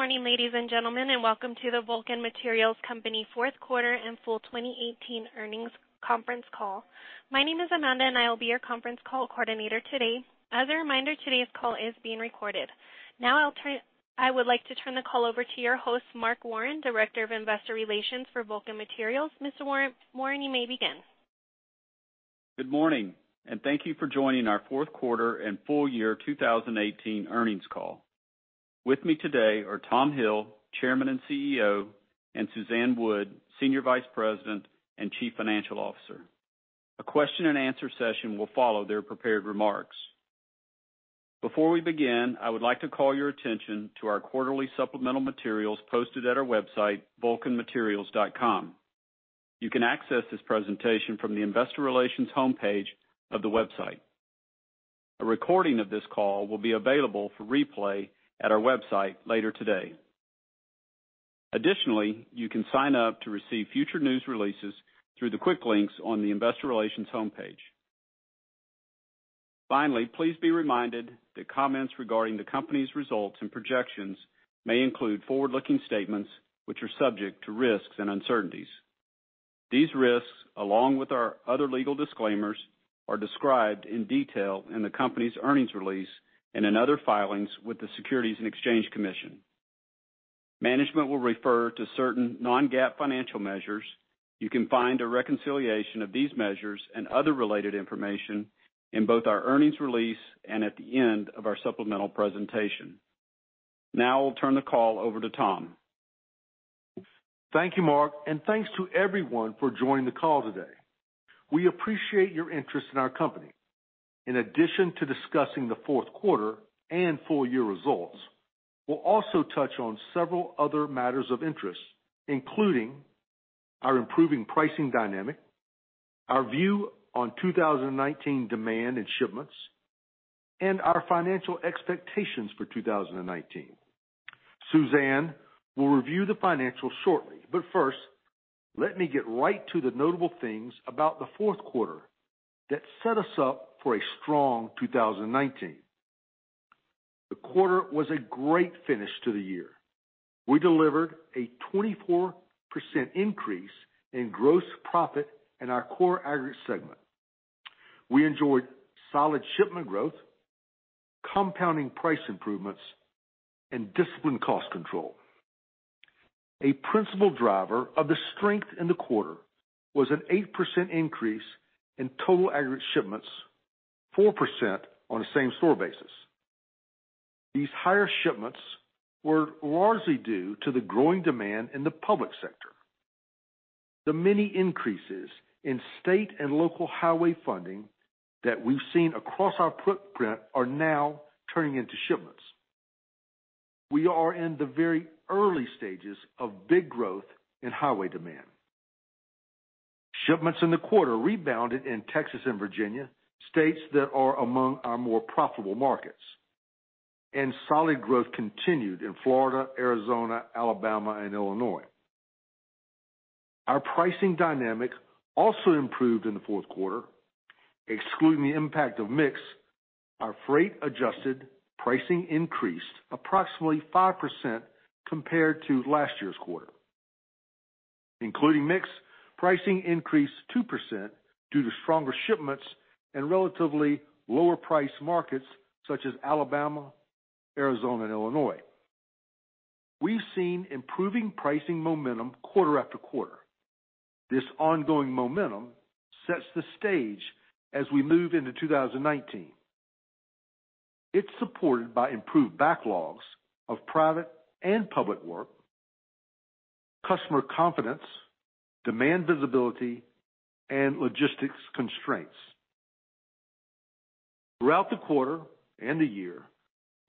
Good morning, ladies and gentlemen, and welcome to the Vulcan Materials Company fourth quarter and full 2018 earnings conference call. My name is Amanda, and I will be your conference call coordinator today. As a reminder, today's call is being recorded. I would like to turn the call over to your host, Mark Warren, Director of Investor Relations for Vulcan Materials Company. Mr. Warren, you may begin. Good morning, thank you for joining our fourth quarter and full year 2018 earnings call. With me today are Tom Hill, Chairman and CEO, Suzanne Wood, Senior Vice President and Chief Financial Officer. A question and answer session will follow their prepared remarks. Before we begin, I would like to call your attention to our quarterly supplemental materials posted at our website, vulcanmaterials.com. You can access this presentation from the investor relations homepage of the website. A recording of this call will be available for replay at our website later today. You can sign up to receive future news releases through the quick links on the investor relations homepage. Please be reminded that comments regarding the company's results and projections may include forward-looking statements which are subject to risks and uncertainties. These risks, along with our other legal disclaimers, are described in detail in the company's earnings release and in other filings with the Securities and Exchange Commission. Management will refer to certain non-GAAP financial measures. You can find a reconciliation of these measures and other related information in both our earnings release and at the end of our supplemental presentation. I'll turn the call over to Tom. Thank you, Mark, thanks to everyone for joining the call today. We appreciate your interest in our company. In addition to discussing the fourth quarter and full year results, we'll also touch on several other matters of interest, including our improving pricing dynamic, our view on 2019 demand and shipments, and our financial expectations for 2019. Suzanne will review the financials shortly, first, let me get right to the notable things about the fourth quarter that set us up for a strong 2019. The quarter was a great finish to the year. We delivered a 24% increase in gross profit in our core aggregate segment. We enjoyed solid shipment growth, compounding price improvements, and disciplined cost control. A principal driver of the strength in the quarter was an 8% increase in total aggregate shipments, 4% on a same-store basis. These higher shipments were largely due to the growing demand in the public sector. The many increases in state and local highway funding that we've seen across our footprint are now turning into shipments. We are in the very early stages of big growth in highway demand. Shipments in the quarter rebounded in Texas and Virginia, states that are among our more profitable markets, and solid growth continued in Florida, Arizona, Alabama, and Illinois. Our pricing dynamic also improved in the fourth quarter. Excluding the impact of mix, our freight-adjusted pricing increased approximately 5% compared to last year's quarter. Including mix, pricing increased 2% due to stronger shipments in relatively lower priced markets such as Alabama, Arizona, and Illinois. We've seen improving pricing momentum quarter after quarter. This ongoing momentum sets the stage as we move into 2019. It's supported by improved backlogs of private and public work, customer confidence, demand visibility, and logistics constraints. Throughout the quarter and the year,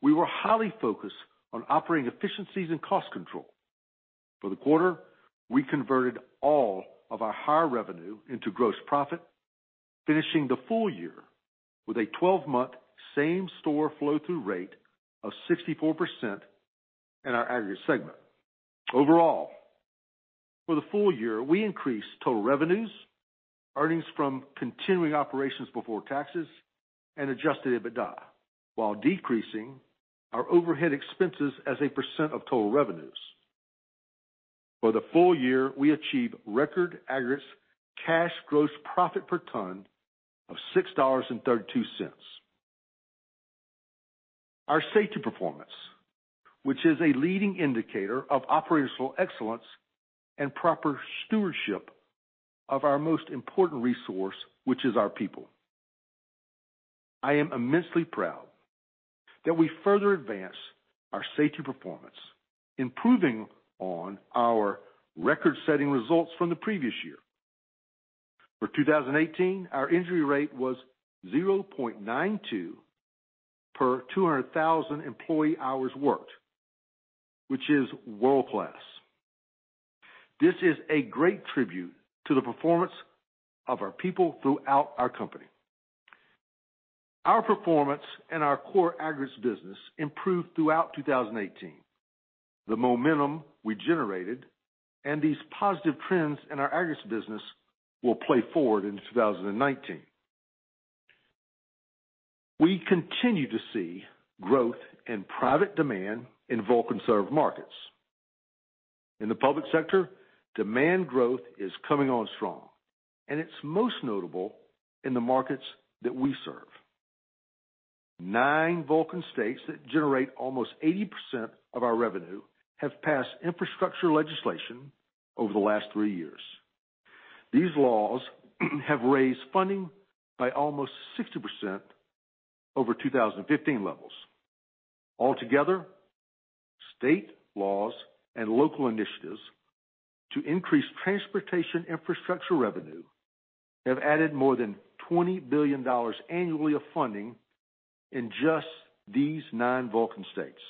we were highly focused on operating efficiencies and cost control. For the quarter, we converted all of our higher revenue into gross profit, finishing the full year with a 12-month same-store flow-through rate of 64% in our aggregate segment. Overall, for the full year, we increased total revenues, earnings from continuing operations before taxes, and adjusted EBITDA, while decreasing our overhead expenses as a % of total revenues. For the full year, we achieved record aggregates cash gross profit per ton of $6.32. Our safety performance, which is a leading indicator of operational excellence and proper stewardship of our most important resource, which is our people. I am immensely proud that we further advanced our safety performance, improving on our record-setting results from the previous year. For 2018, our injury rate was 0.92 per 200,000 employee hours worked, which is world-class. This is a great tribute to the performance of our people throughout our company. Our performance in our core aggregates business improved throughout 2018. The momentum we generated and these positive trends in our aggregates business will play forward into 2019. We continue to see growth in private demand in Vulcan served markets. In the public sector, demand growth is coming on strong, it's most notable in the markets that we serve. Nine Vulcan states that generate almost 80% of our revenue have passed infrastructure legislation over the last three years. These laws have raised funding by almost 60% over 2015 levels. Altogether, state laws and local initiatives to increase transportation infrastructure revenue have added more than $20 billion annually of funding in just these nine Vulcan states.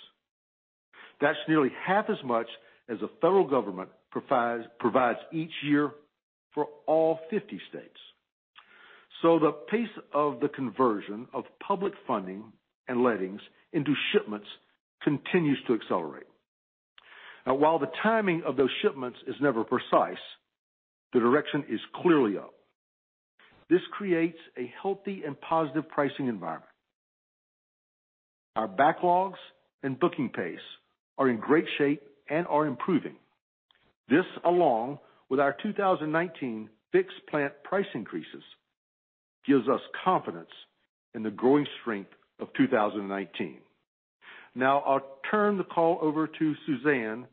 That's nearly half as much as the federal government provides each year for all 50 states. The pace of the conversion of public funding and lettings into shipments continues to accelerate. Now, while the timing of those shipments is never precise, the direction is clearly up. This creates a healthy and positive pricing environment. Our backlogs and booking pace are in great shape and are improving. This, along with our 2019 fixed plant price increases, gives us confidence in the growing strength of 2019. Now I'll turn the call over to Suzanne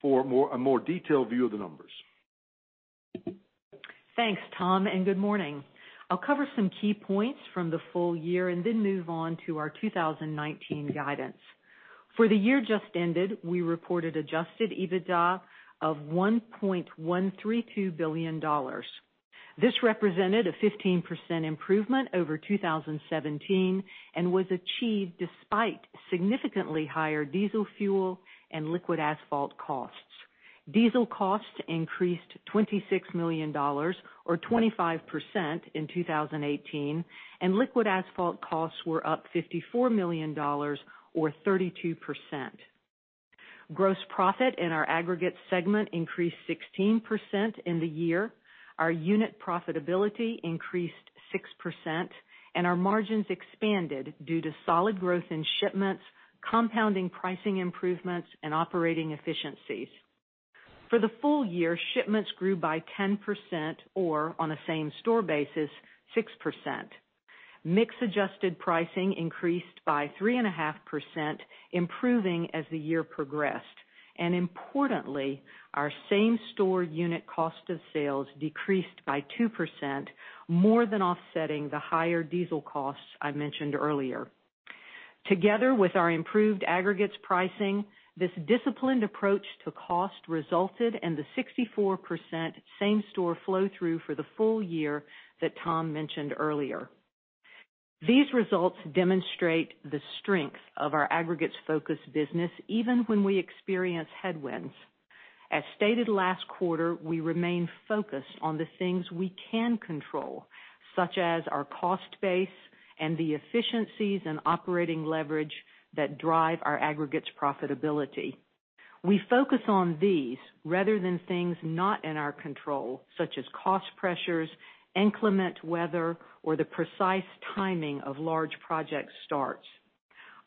for a more detailed view of the numbers. Thanks, Tom, and good morning. I'll cover some key points from the full year and then move on to our 2019 guidance. For the year just ended, we reported adjusted EBITDA of $1.132 billion. This represented a 15% improvement over 2017 and was achieved despite significantly higher diesel fuel and liquid asphalt costs. Diesel costs increased $26 million or 25% in 2018, and liquid asphalt costs were up $54 million or 32%. Gross profit in our aggregate segment increased 16% in the year. Our unit profitability increased 6% and our margins expanded due to solid growth in shipments, compounding pricing improvements, and operating efficiencies. For the full year, shipments grew by 10%, or on a same-store basis, 6%. Mix adjusted pricing increased by 3.5%, improving as the year progressed. Importantly, our same store unit cost of sales decreased by 2%, more than offsetting the higher diesel costs I mentioned earlier. Together with our improved aggregates pricing, this disciplined approach to cost resulted in the 64% same store flow-through for the full year that Tom mentioned earlier. These results demonstrate the strength of our aggregates focused business, even when we experience headwinds. As stated last quarter, we remain focused on the things we can control, such as our cost base and the efficiencies and operating leverage that drive our aggregates profitability. We focus on these rather than things not in our control, such as cost pressures, inclement weather, or the precise timing of large project starts.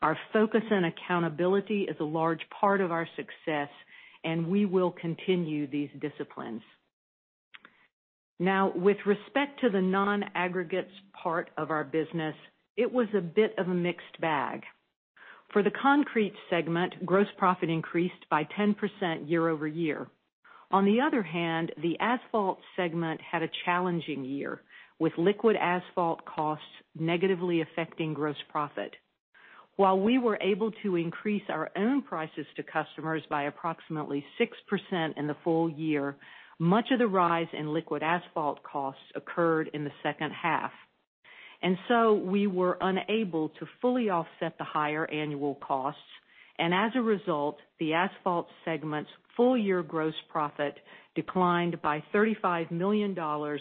Our focus and accountability is a large part of our success, and we will continue these disciplines. Now, with respect to the non-aggregates part of our business, it was a bit of a mixed bag. For the concrete segment, gross profit increased by 10% year-over-year. On the other hand, the asphalt segment had a challenging year, with liquid asphalt costs negatively affecting gross profit. While we were able to increase our own prices to customers by approximately 6% in the full year, much of the rise in liquid asphalt costs occurred in the second half. So we were unable to fully offset the higher annual costs, and as a result, the asphalt segment's full year gross profit declined by $35 million or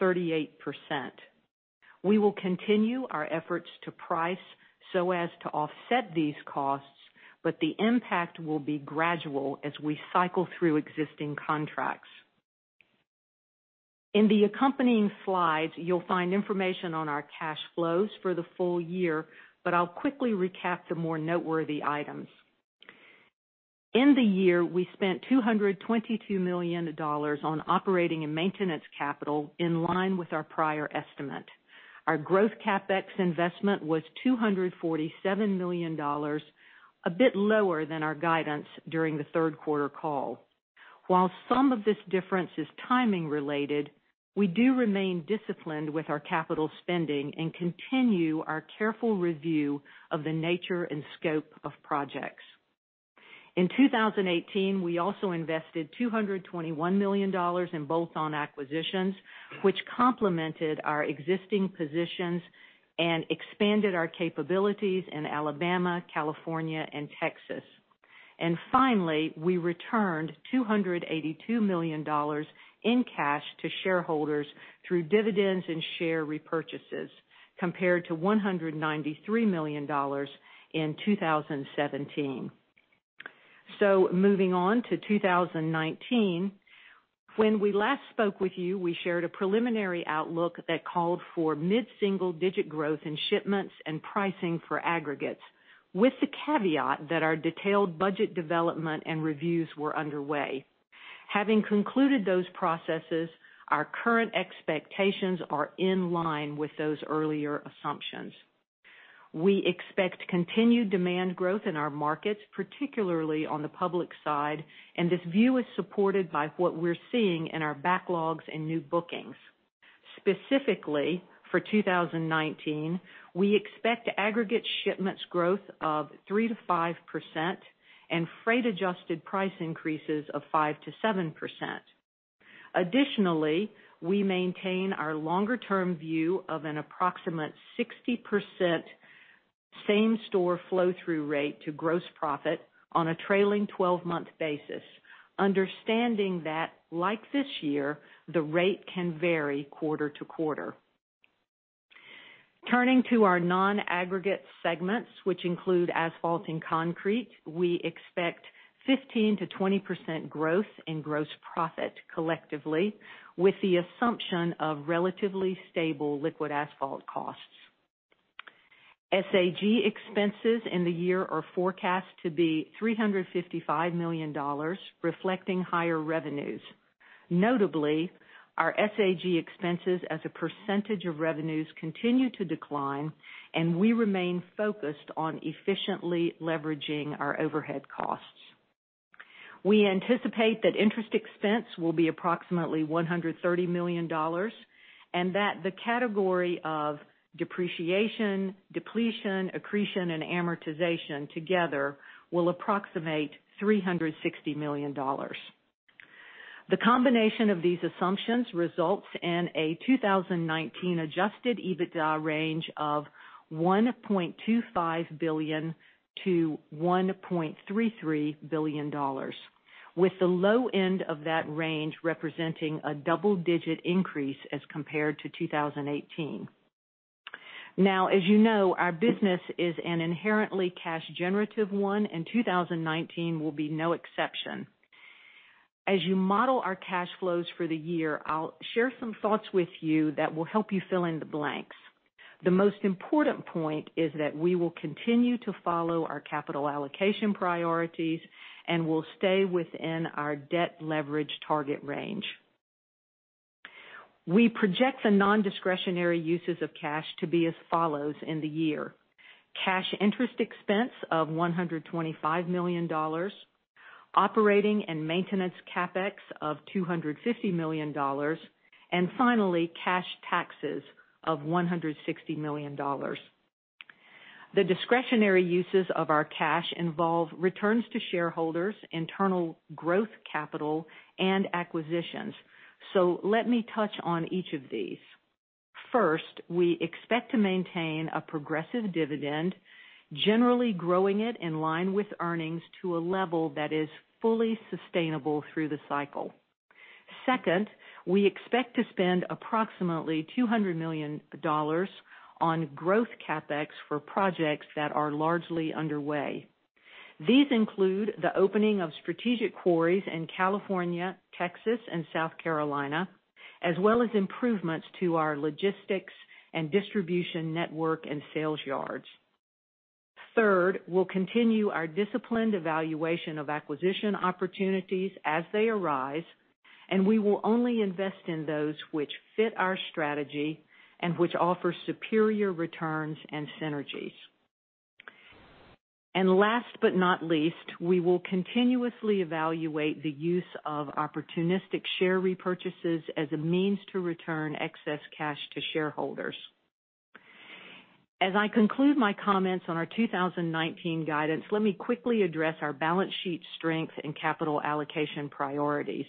38%. We will continue our efforts to price so as to offset these costs, but the impact will be gradual as we cycle through existing contracts. In the accompanying slides, you'll find information on our cash flows for the full year, but I'll quickly recap the more noteworthy items. In the year, we spent $222 million on operating and maintenance capital in line with our prior estimate. Our growth CapEx investment was $247 million, a bit lower than our guidance during the third quarter call. While some of this difference is timing related, we do remain disciplined with our capital spending and continue our careful review of the nature and scope of projects. In 2018, we also invested $221 million in bolt-on acquisitions, which complemented our existing positions and expanded our capabilities in Alabama, California, and Texas. Finally, we returned $282 million in cash to shareholders through dividends and share repurchases, compared to $193 million in 2017. Moving on to 2019. When we last spoke with you, we shared a preliminary outlook that called for mid-single-digit growth in shipments and pricing for aggregates, with the caveat that our detailed budget development and reviews were underway. Having concluded those processes, our current expectations are in line with those earlier assumptions. We expect continued demand growth in our markets, particularly on the public side, and this view is supported by what we're seeing in our backlogs and new bookings. Specifically, for 2019, we expect aggregate shipments growth of 3%-5% and freight-adjusted price increases of 5%-7%. Additionally, we maintain our longer-term view of an approximate 60% same-store flow-through rate to gross profit on a trailing 12-month basis, understanding that, like this year, the rate can vary quarter to quarter. Turning to our non-aggregate segments, which include asphalt and concrete, we expect 15%-20% growth in gross profit collectively, with the assumption of relatively stable liquid asphalt costs. SAG expenses in the year are forecast to be $355 million, reflecting higher revenues. Notably, our SAG expenses as a percentage of revenues continue to decline, and we remain focused on efficiently leveraging our overhead costs. We anticipate that interest expense will be approximately $130 million, and that the category of depreciation, depletion, accretion, and amortization together will approximate $360 million. The combination of these assumptions results in a 2019 adjusted EBITDA range of $1.25 billion-$1.33 billion, with the low end of that range representing a double-digit increase as compared to 2018. As you know, our business is an inherently cash-generative one, and 2019 will be no exception. As you model our cash flows for the year, I'll share some thoughts with you that will help you fill in the blanks. The most important point is that we will continue to follow our capital allocation priorities and will stay within our debt leverage target range. We project the nondiscretionary uses of cash to be as follows in the year: cash interest expense of $125 million, operating and maintenance CapEx of $250 million, and finally, cash taxes of $160 million. The discretionary uses of our cash involve returns to shareholders, internal growth capital, and acquisitions. Let me touch on each of these. First, we expect to maintain a progressive dividend, generally growing it in line with earnings to a level that is fully sustainable through the cycle. Second, we expect to spend approximately $200 million on growth CapEx for projects that are largely underway. These include the opening of strategic quarries in California, Texas, and South Carolina, as well as improvements to our logistics and distribution network and sales yards. Third, we'll continue our disciplined evaluation of acquisition opportunities as they arise, and we will only invest in those which fit our strategy and which offer superior returns and synergies. Last but not least, we will continuously evaluate the use of opportunistic share repurchases as a means to return excess cash to shareholders. As I conclude my comments on our 2019 guidance, let me quickly address our balance sheet strength and capital allocation priorities.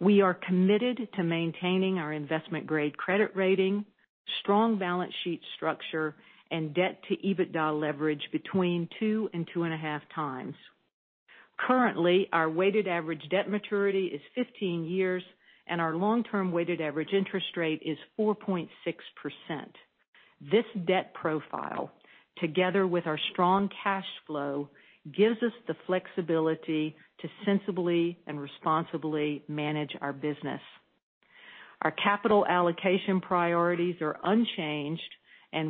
We are committed to maintaining our investment-grade credit rating, strong balance sheet structure, and debt-to-EBITDA leverage between 2 and 2.5 times. Currently, our weighted average debt maturity is 15 years, and our long-term weighted average interest rate is 4.6%. This debt profile, together with our strong cash flow, gives us the flexibility to sensibly and responsibly manage our business. Our capital allocation priorities are unchanged,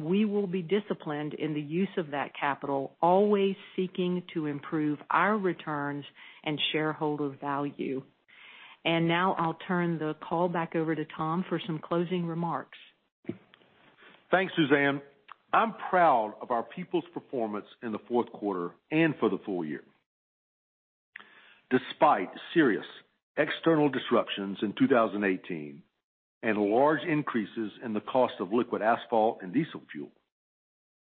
we will be disciplined in the use of that capital, always seeking to improve our returns and shareholder value. Now I'll turn the call back over to Tom for some closing remarks. Thanks, Suzanne. I'm proud of our people's performance in the fourth quarter and for the full year. Despite serious external disruptions in 2018 and large increases in the cost of liquid asphalt and diesel fuel,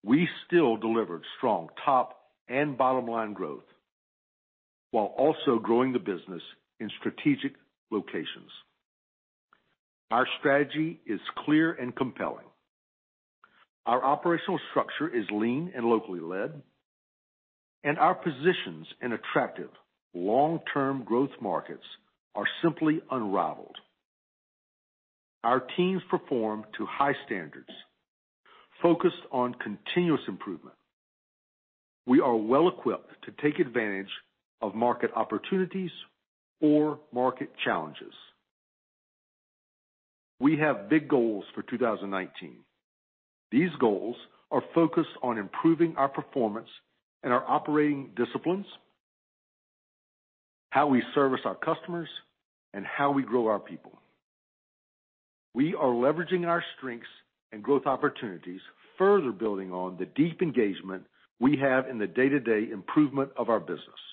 we still delivered strong top and bottom-line growth while also growing the business in strategic locations. Our strategy is clear and compelling. Our operational structure is lean and locally led, and our positions in attractive long-term growth markets are simply unrivaled. Our teams perform to high standards, focused on continuous improvement. We are well-equipped to take advantage of market opportunities or market challenges. We have big goals for 2019. These goals are focused on improving our performance and our operating disciplines, how we service our customers, and how we grow our people. We are leveraging our strengths and growth opportunities, further building on the deep engagement we have in the day-to-day improvement of our business.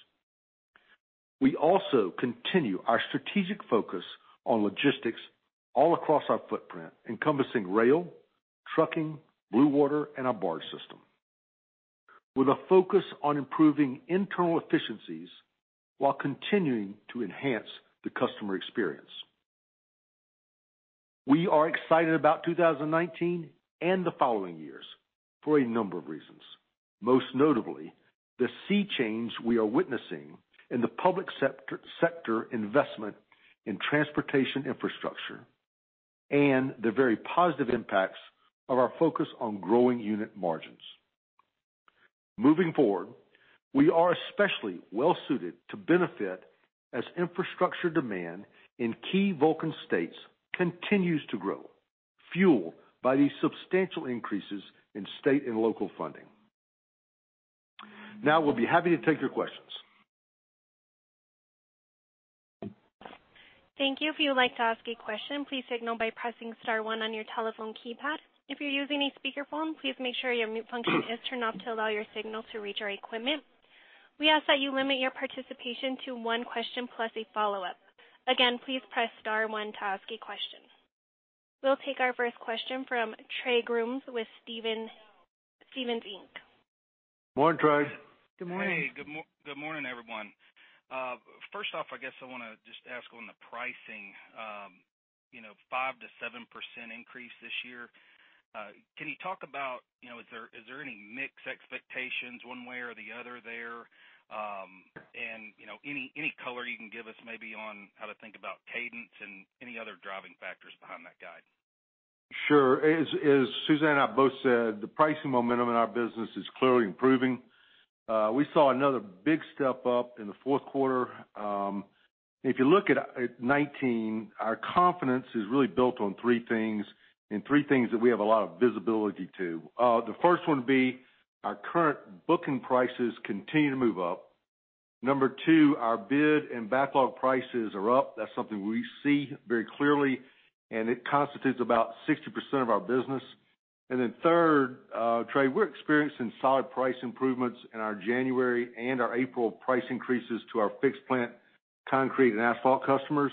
We also continue our strategic focus on logistics all across our footprint, encompassing rail, trucking, blue water, and our barge system, with a focus on improving internal efficiencies while continuing to enhance the customer experience. We are excited about 2019 and the following years for a number of reasons, most notably the sea change we are witnessing in the public sector investment in transportation infrastructure and the very positive impacts of our focus on growing unit margins. Moving forward, we are especially well-suited to benefit as infrastructure demand in key Vulcan states continues to grow, fueled by these substantial increases in state and local funding. Now, we'll be happy to take your questions. Thank you. If you would like to ask a question, please signal by pressing star one on your telephone keypad. If you're using a speakerphone, please make sure your mute function is turned off to allow your signal to reach our equipment. We ask that you limit your participation to one question plus a follow-up. Again, please press star one to ask a question. We'll take our first question from Trey Grooms with Stephens Inc. Morning, Trey. Good morning. Hey. Good morning, everyone. First off, I guess I want to just ask on the pricing, 5%-7% increase this year. Can you talk about, is there any mix expectations one way or the other there? Any color you can give us maybe on how to think about cadence and any other driving factors behind that guide? Sure. As Suzanne and I both said, the pricing momentum in our business is clearly improving. We saw another big step up in the fourth quarter. If you look at 2019, our confidence is really built on three things, and three things that we have a lot of visibility to. The first one would be our current booking prices continue to move up. Number 2, our bid and backlog prices are up. That's something we see very clearly, and it constitutes about 60% of our business. Third, Trey, we're experiencing solid price improvements in our January and our April price increases to our fixed plant concrete and asphalt customers.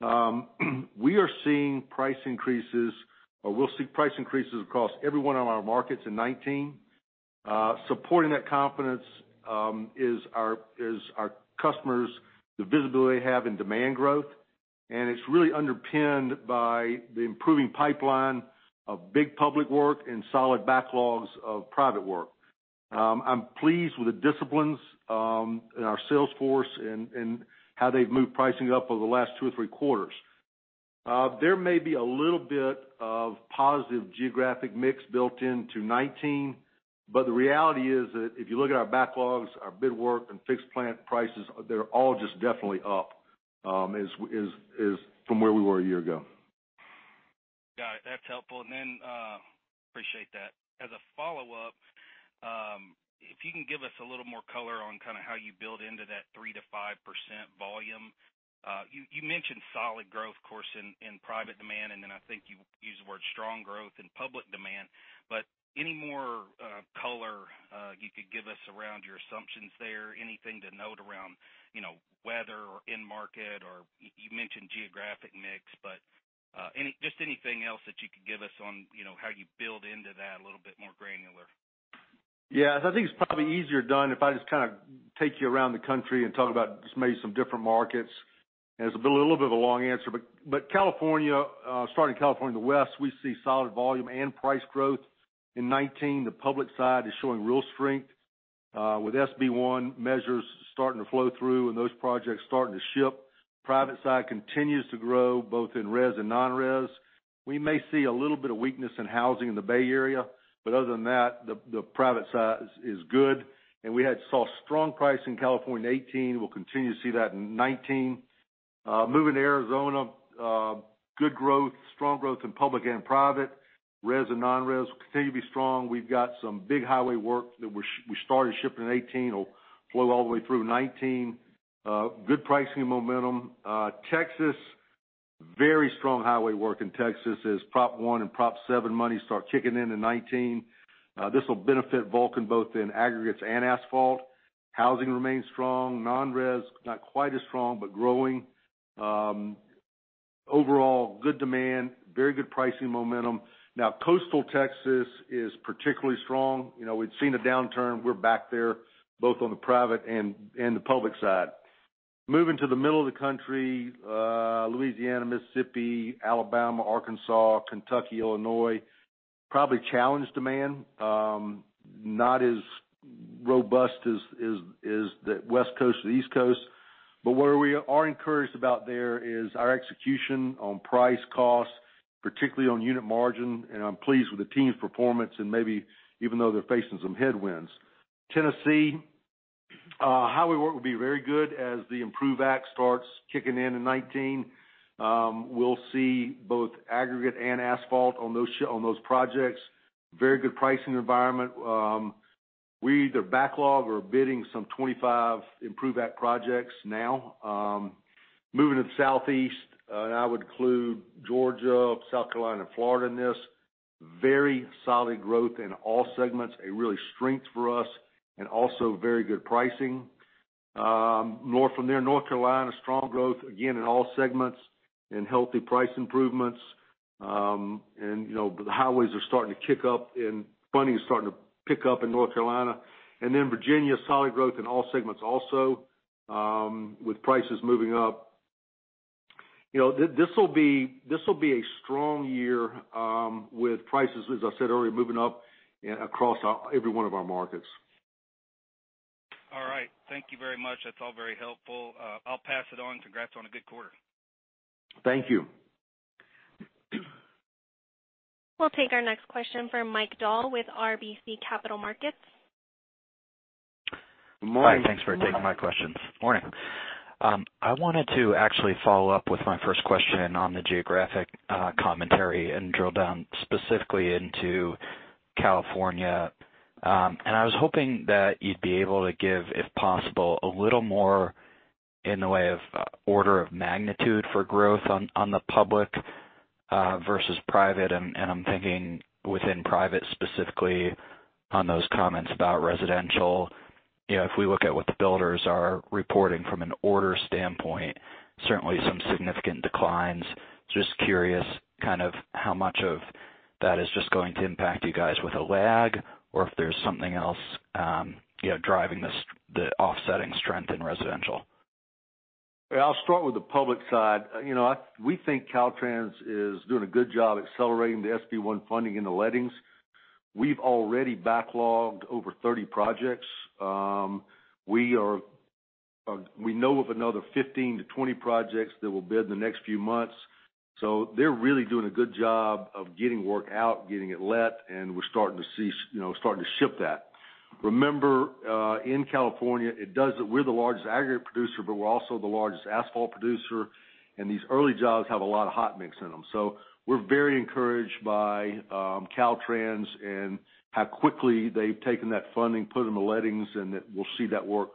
We are seeing price increases, or we'll see price increases across every one of our markets in 2019. Supporting that confidence is our customers, the visibility they have in demand growth, and it's really underpinned by the improving pipeline of big public work and solid backlogs of private work. I'm pleased with the disciplines in our sales force and how they've moved pricing up over the last two or three quarters. There may be a little bit of positive geographic mix built into 2019, but the reality is that if you look at our backlogs, our bid work, and fixed plant prices, they're all just definitely up from where we were a year ago. Got it. That's helpful. Appreciate that. As a follow-up, if you can give us a little more color on how you build into that 3%-5% volume. You mentioned solid growth, of course, in private demand, and then I think you used the word strong growth in public demand. Any more color you could give us around your assumptions there? Anything to note around weather or end market or you mentioned geographic mix, but just anything else that you could give us on how you build into that a little bit more granular. I think it's probably easier done if I just take you around the country and talk about just maybe some different markets. It's a little bit of a long answer, but starting California, the West, we see solid volume and price growth. In 2019, the public side is showing real strength with SB 1 measures starting to flow through and those projects starting to ship. Private side continues to grow both in res and non-res. We may see a little bit of weakness in housing in the Bay Area, but other than that, the private side is good. We had saw strong price in California in 2018. We'll continue to see that in 2019. Moving to Arizona, good growth, strong growth in public and private, res and non-res will continue to be strong. We've got some big highway work that we started shipping in 2018 that'll flow all the way through 2019. Good pricing momentum. Texas, very strong highway work in Texas as Proposition 1 and Proposition 7 money start kicking in in 2019. This will benefit Vulcan both in aggregates and asphalt. Housing remains strong. Non-res, not quite as strong, but growing. Overall, good demand, very good pricing momentum. Now, coastal Texas is particularly strong. We'd seen a downturn. We're back there both on the private and the public side. Moving to the middle of the country, Louisiana, Mississippi, Alabama, Arkansas, Kentucky, Illinois, probably challenged demand. Not as robust is the West Coast or the East Coast. Where we are encouraged about there is our execution on price costs, particularly on unit margin, and I'm pleased with the team's performance and maybe even though they're facing some headwinds. Tennessee, highway work will be very good as the IMPROVE Act starts kicking in in 2019. We'll see both aggregate and asphalt on those projects. Very good pricing environment. We either backlog or bidding some 25 IMPROVE Act projects now. Moving to the Southeast, I would include Georgia, South Carolina, and Florida in this. Very solid growth in all segments, a real strength for us, and also very good pricing. From there, North Carolina, strong growth, again, in all segments and healthy price improvements. The highways are starting to kick up and funding is starting to pick up in North Carolina. Virginia, solid growth in all segments also, with prices moving up. This will be a strong year, with prices, as I said earlier, moving up across every one of our markets. All right. Thank you very much. That's all very helpful. I'll pass it on. Congrats on a good quarter. Thank you. We'll take our next question from Michael Dahl with RBC Capital Markets. Morning. Hi. Thanks for taking my questions. Morning. I wanted to actually follow up with my first question on the geographic commentary and drill down specifically into California. I was hoping that you'd be able to give, if possible, a little more in the way of order of magnitude for growth on the public versus private. I'm thinking within private, specifically on those comments about residential. If we look at what the builders are reporting from an order standpoint, certainly some significant declines. Just curious how much of that is just going to impact you guys with a lag or if there's something else driving the offsetting strength in residential. Yeah. I'll start with the public side. We think Caltrans is doing a good job accelerating the SB 1 funding into lettings. We've already backlogged over 30 projects. We know of another 15 to 20 projects that we'll bid the next few months. They're really doing a good job of getting work out, getting it let, and we're starting to ship that. Remember, in California, we're the largest aggregate producer, but we're also the largest asphalt producer, and these early jobs have a lot of hot mix in them. We're very encouraged by Caltrans and how quickly they've taken that funding, put them to lettings, and that we'll see that work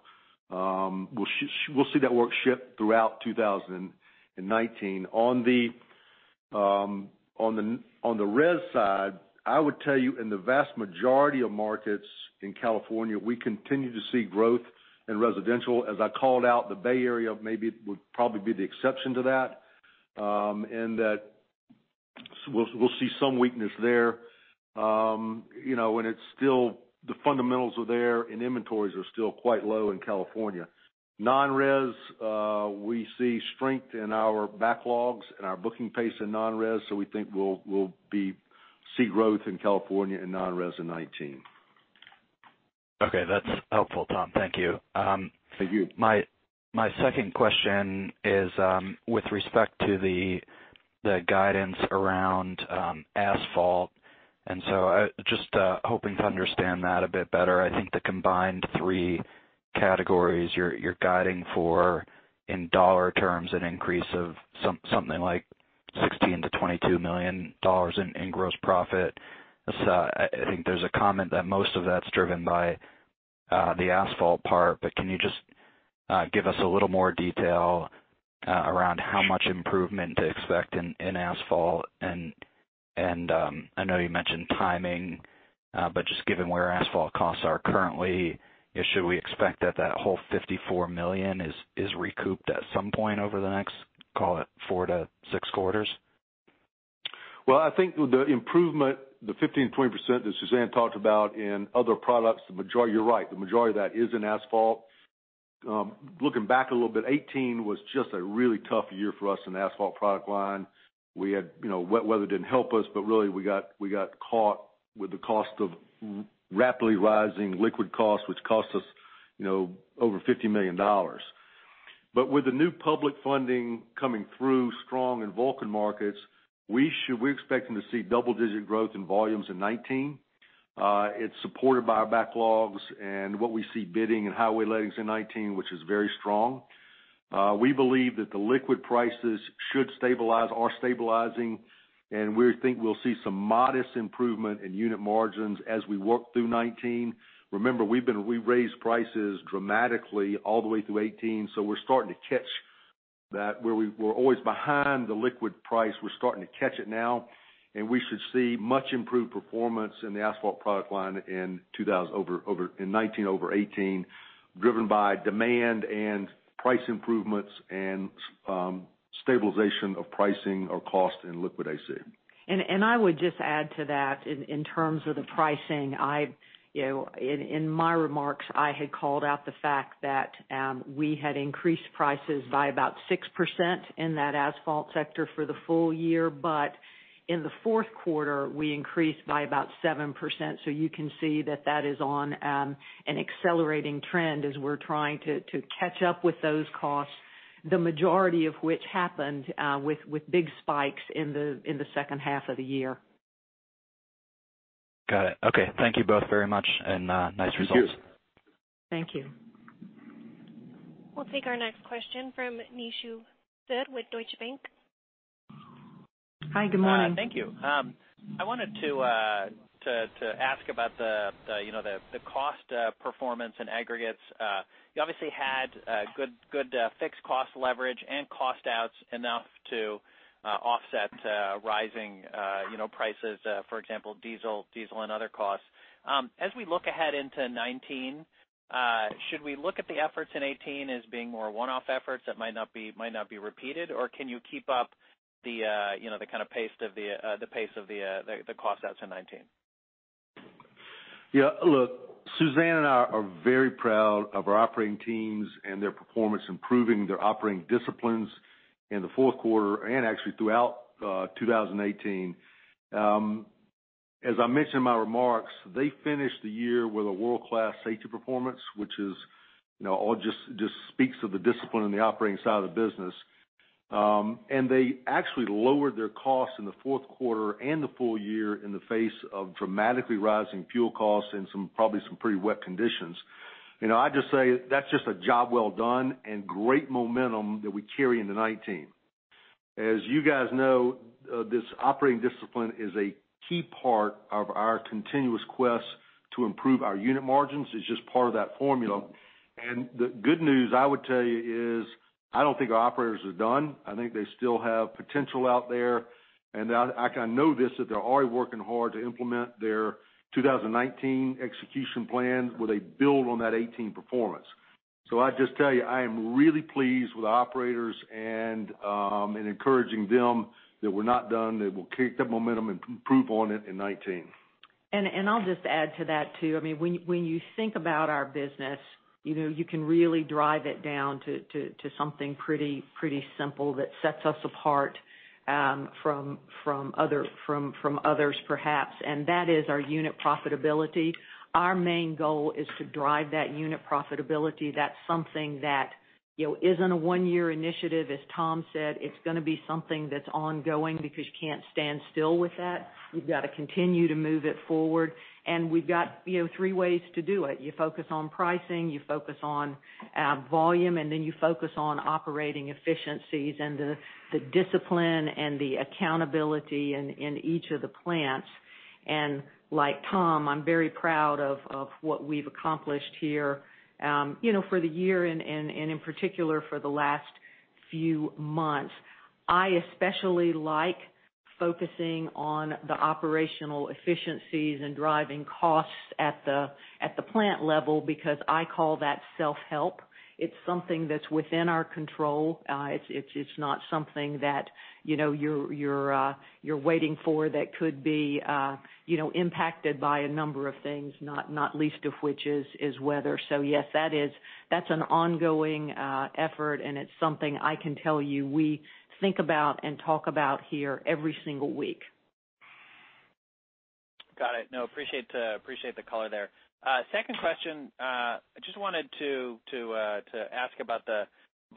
shipped throughout 2019. On the res side, I would tell you in the vast majority of markets in California, we continue to see growth in residential. As I called out, the Bay Area maybe would probably be the exception to that, in that we'll see some weakness there. The fundamentals are there and inventories are still quite low in California. Non-res, we see strength in our backlogs and our booking pace in non-res. We think we'll see growth in California in non-res in 2019. Okay. That's helpful, Tom. Thank you. Thank you. My second question is with respect to the guidance around asphalt. Just hoping to understand that a bit better. I think the combined three categories you're guiding for in dollar terms an increase of something like $16 million-$22 million in gross profit. I think there's a comment that most of that's driven by the asphalt part, can you just give us a little more detail around how much improvement to expect in asphalt? I know you mentioned timing, just given where asphalt costs are currently, should we expect that that whole $54 million is recouped at some point over the next, call it four to six quarters? Well, I think the improvement, the 15%-20% that Suzanne talked about in other products, you're right, the majority of that is in asphalt. Looking back a little bit, 2018 was just a really tough year for us in the asphalt product line. Wet weather didn't help us, really we got caught with the cost of rapidly rising liquid costs, which cost us over $50 million. With the new public funding coming through strong in Vulcan Materials Company markets, we're expecting to see double-digit growth in volumes in 2019. It's supported by our backlogs and what we see bidding in highway lettings in 2019, which is very strong. We believe that the liquid prices should stabilize, are stabilizing, we think we'll see some modest improvement in unit margins as we work through 2019. Remember, we raised prices dramatically all the way through 2018, we're starting to catch that. Where we were always behind the liquid price, we're starting to catch it now, we should see much improved performance in the asphalt product line in 2019 over 2018, driven by demand and price improvements and stabilization of pricing or cost in liquid AC. I would just add to that in terms of the pricing. In my remarks, I had called out the fact that we had increased prices by about 6% in that asphalt sector for the full year. In the fourth quarter, we increased by about 7%. You can see that is on an accelerating trend as we're trying to catch up with those costs, the majority of which happened with big spikes in the second half of the year. Got it. Okay. Thank you both very much, and nice results. Thank you. Thank you. We'll take our next question from Nishu Suri with Deutsche Bank. Hi, good morning. Thank you. I wanted to ask about the cost performance and aggregates. You obviously had good fixed cost leverage and cost-outs enough to offset rising prices, for example, diesel and other costs. As we look ahead into 2019, should we look at the efforts in 2018 as being more one-off efforts that might not be repeated? Can you keep up the kind of pace of the cost-outs in 2019? Look, Suzanne and I are very proud of our operating teams and their performance, improving their operating disciplines in the fourth quarter and actually throughout 2018. As I mentioned in my remarks, they finished the year with a world-class safety performance, which just speaks of the discipline in the operating side of the business. They actually lowered their costs in the fourth quarter and the full year in the face of dramatically rising fuel costs and probably some pretty wet conditions. I just say that's just a job well done and great momentum that we carry into 2019. As you guys know, this operating discipline is a key part of our continuous quest to improve our unit margins. It's just part of that formula. The good news I would tell you is, I don't think our operators are done. I think they still have potential out there, and I know this, that they're already working hard to implement their 2019 execution plan, where they build on that '18 performance. I'll just tell you, I am really pleased with the operators and encouraging them that we're not done, that we'll keep that momentum and improve on it in '19. I'll just add to that, too. When you think about our business, you can really drive it down to something pretty simple that sets us apart from others perhaps, and that is our unit profitability. Our main goal is to drive that unit profitability. That's something that isn't a one-year initiative, as Tom said. It's going to be something that's ongoing because you can't stand still with that. We've got to continue to move it forward. We've got three ways to do it. You focus on pricing, you focus on volume, and then you focus on operating efficiencies and the discipline and the accountability in each of the plants. Like Tom, I'm very proud of what we've accomplished here for the year, and in particular, for the last few months. I especially like focusing on the operational efficiencies and driving costs at the plant level because I call that self-help. It's something that's within our control. It's not something that you're waiting for that could be impacted by a number of things, not least of which is weather. Yes, that's an ongoing effort, and it's something I can tell you we think about and talk about here every single week. Got it. No, appreciate the color there. Second question, I just wanted to ask about the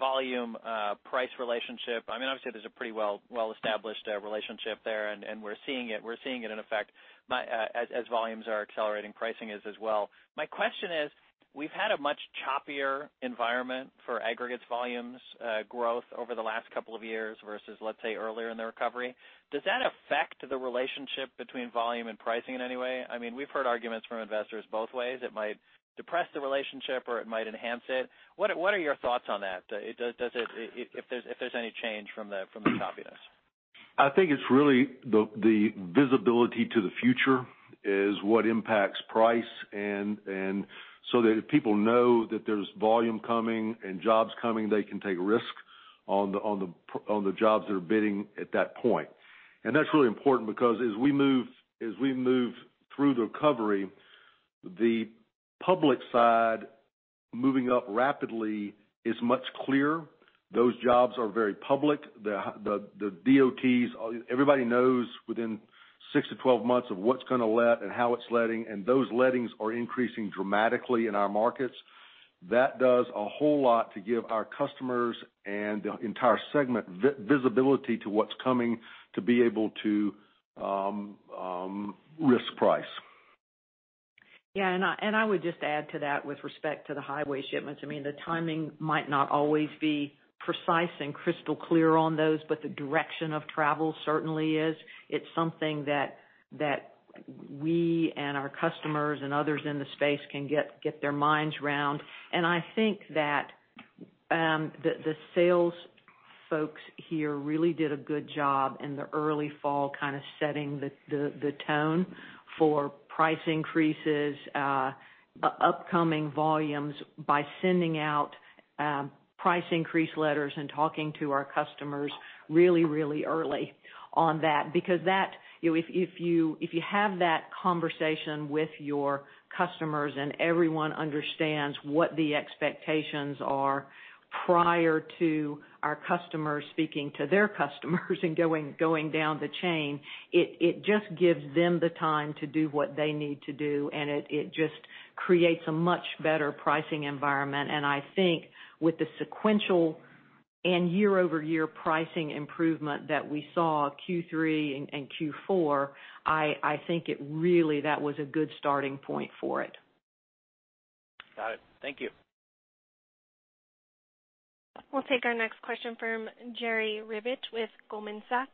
volume price relationship. Obviously, there's a pretty well-established relationship there, and we're seeing it in effect. As volumes are accelerating, pricing is as well. My question is, we've had a much choppier environment for aggregates volumes growth over the last couple of years versus, let's say, earlier in the recovery. Does that affect the relationship between volume and pricing in any way? We've heard arguments from investors both ways. It might depress the relationship or it might enhance it. What are your thoughts on that? If there's any change from the choppiness. I think it's really the visibility to the future is what impacts price. That if people know that there's volume coming and jobs coming, they can take risks on the jobs they're bidding at that point. That's really important because as we move through the recovery, the public side moving up rapidly is much clearer. Those jobs are very public. The DOTs, everybody knows within 6 to 12 months of what's going to let and how it's letting, and those lettings are increasing dramatically in our markets. That does a whole lot to give our customers and the entire segment visibility to what's coming to be able to risk price. Yeah, I would just add to that with respect to the highway shipments. The timing might not always be precise and crystal clear on those, but the direction of travel certainly is. It's something that we and our customers and others in the space can get their minds around. I think that the sales folks here really did a good job in the early fall kind of setting the tone for price increases, upcoming volumes by sending out price increase letters and talking to our customers really early on that. If you have that conversation with your customers and everyone understands what the expectations are prior to our customers speaking to their customers and going down the chain, it just gives them the time to do what they need to do, and it just creates a much better pricing environment. I think with the sequential and year-over-year pricing improvement that we saw Q3 and Q4, I think that was a good starting point for it. Got it. Thank you. We'll take our next question from Jerry Revich with Goldman Sachs.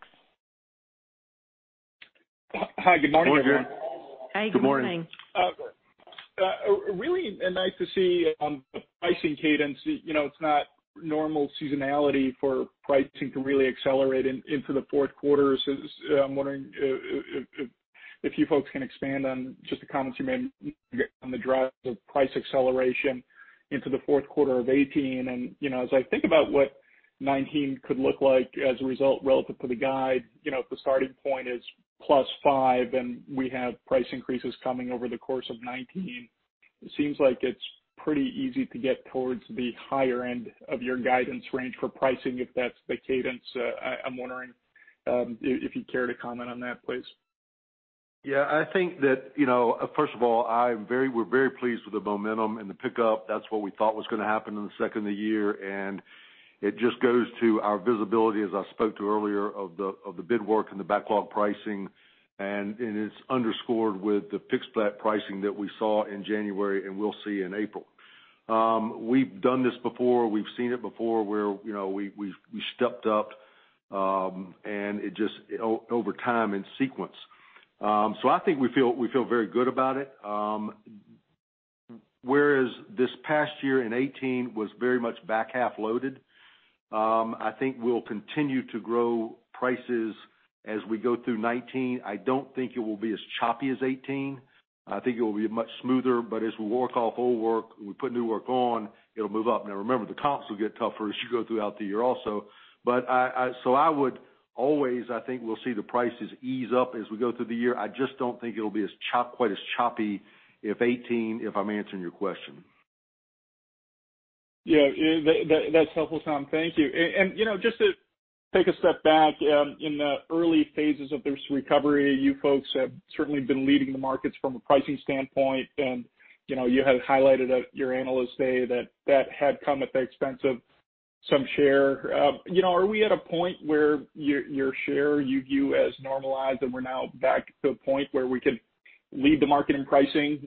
Hi, good morning, everyone. Hi, good morning. Good morning. Really nice to see the pricing cadence. It's not normal seasonality for pricing to really accelerate into the fourth quarter. I'm wondering if you folks can expand on just the comments you made on the drive of price acceleration into the fourth quarter of 2018. As I think about what 2019 could look like as a result relative to the guide, if the starting point is plus five and we have price increases coming over the course of 2019, it seems like it's pretty easy to get towards the higher end of your guidance range for pricing if that's the cadence. I'm wondering if you'd care to comment on that, please. Yeah. First of all, we're very pleased with the momentum and the pickup. That's what we thought was going to happen in the second of the year, it just goes to our visibility, as I spoke to earlier, of the bid work and the backlog pricing. It is underscored with the fixed flat pricing that we saw in January and we'll see in April. We've done this before. We've seen it before, where we stepped up over time in sequence. I think we feel very good about it. Whereas this past year in 2018 was very much back half loaded, I think we'll continue to grow prices as we go through 2019. I don't think it will be as choppy as 2018. I think it will be much smoother. As we work off old work and we put new work on, it'll move up. Now, remember, the comps will get tougher as you go throughout the year also. I would always think we'll see the prices ease up as we go through the year. I just don't think it'll be quite as choppy as 2018, if I'm answering your question. Yeah. That's helpful, Tom. Thank you. Just to take a step back, in the early phases of this recovery, you folks have certainly been leading the markets from a pricing standpoint, you had highlighted at your Analyst Day that that had come at the expense of some share. Are we at a point where your share, you view as normalized, we're now back to a point where we could lead the market in pricing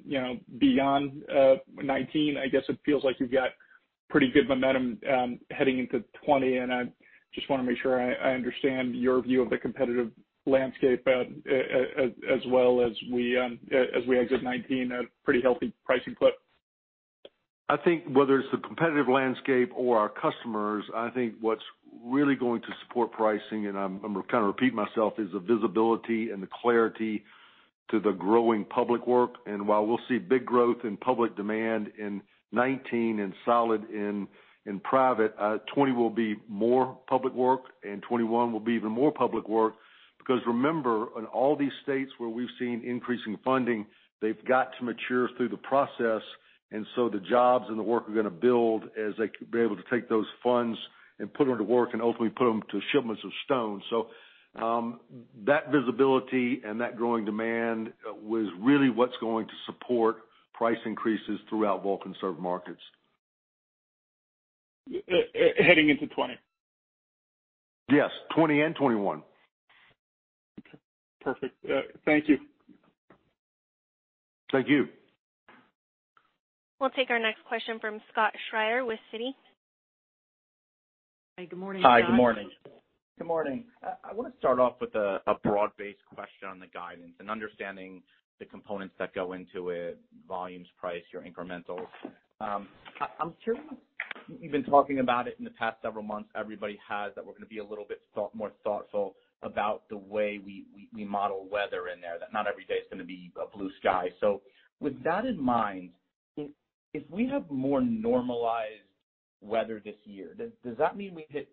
beyond 2019? I guess it feels like you've got pretty good momentum heading into 2020, I just want to make sure I understand your view of the competitive landscape as well as we exit 2019 at a pretty healthy pricing clip. I think whether it's the competitive landscape or our customers, I think what's really going to support pricing, and I'm kind of repeating myself, is the visibility and the clarity to the growing public work. While we'll see big growth in public demand in 2019 and solid in private, 2020 will be more public work, and 2021 will be even more public work. Remember, in all these states where we've seen increasing funding, they've got to mature through the process. The jobs and the work are going to build as they're able to take those funds and put them to work and ultimately put them to shipments of stone. That visibility and that growing demand was really what's going to support price increases throughout Vulcan Serve markets. Heading into 2020? Yes, 2020 and 2021. Okay. Perfect. Thank you. Thank you. We'll take our next question from Scott Schrier with Citi. Hi, good morning, Scott. Good morning. Good morning. I want to start off with a broad-based question on the guidance and understanding the components that go into it, volumes, price, your incrementals. I'm sure you've been talking about it in the past several months, everybody has, that we're going to be a little bit more thoughtful about the way we model weather in there, that not every day is going to be a blue sky. With that in mind, if we have more normalized weather this year, does that mean we hit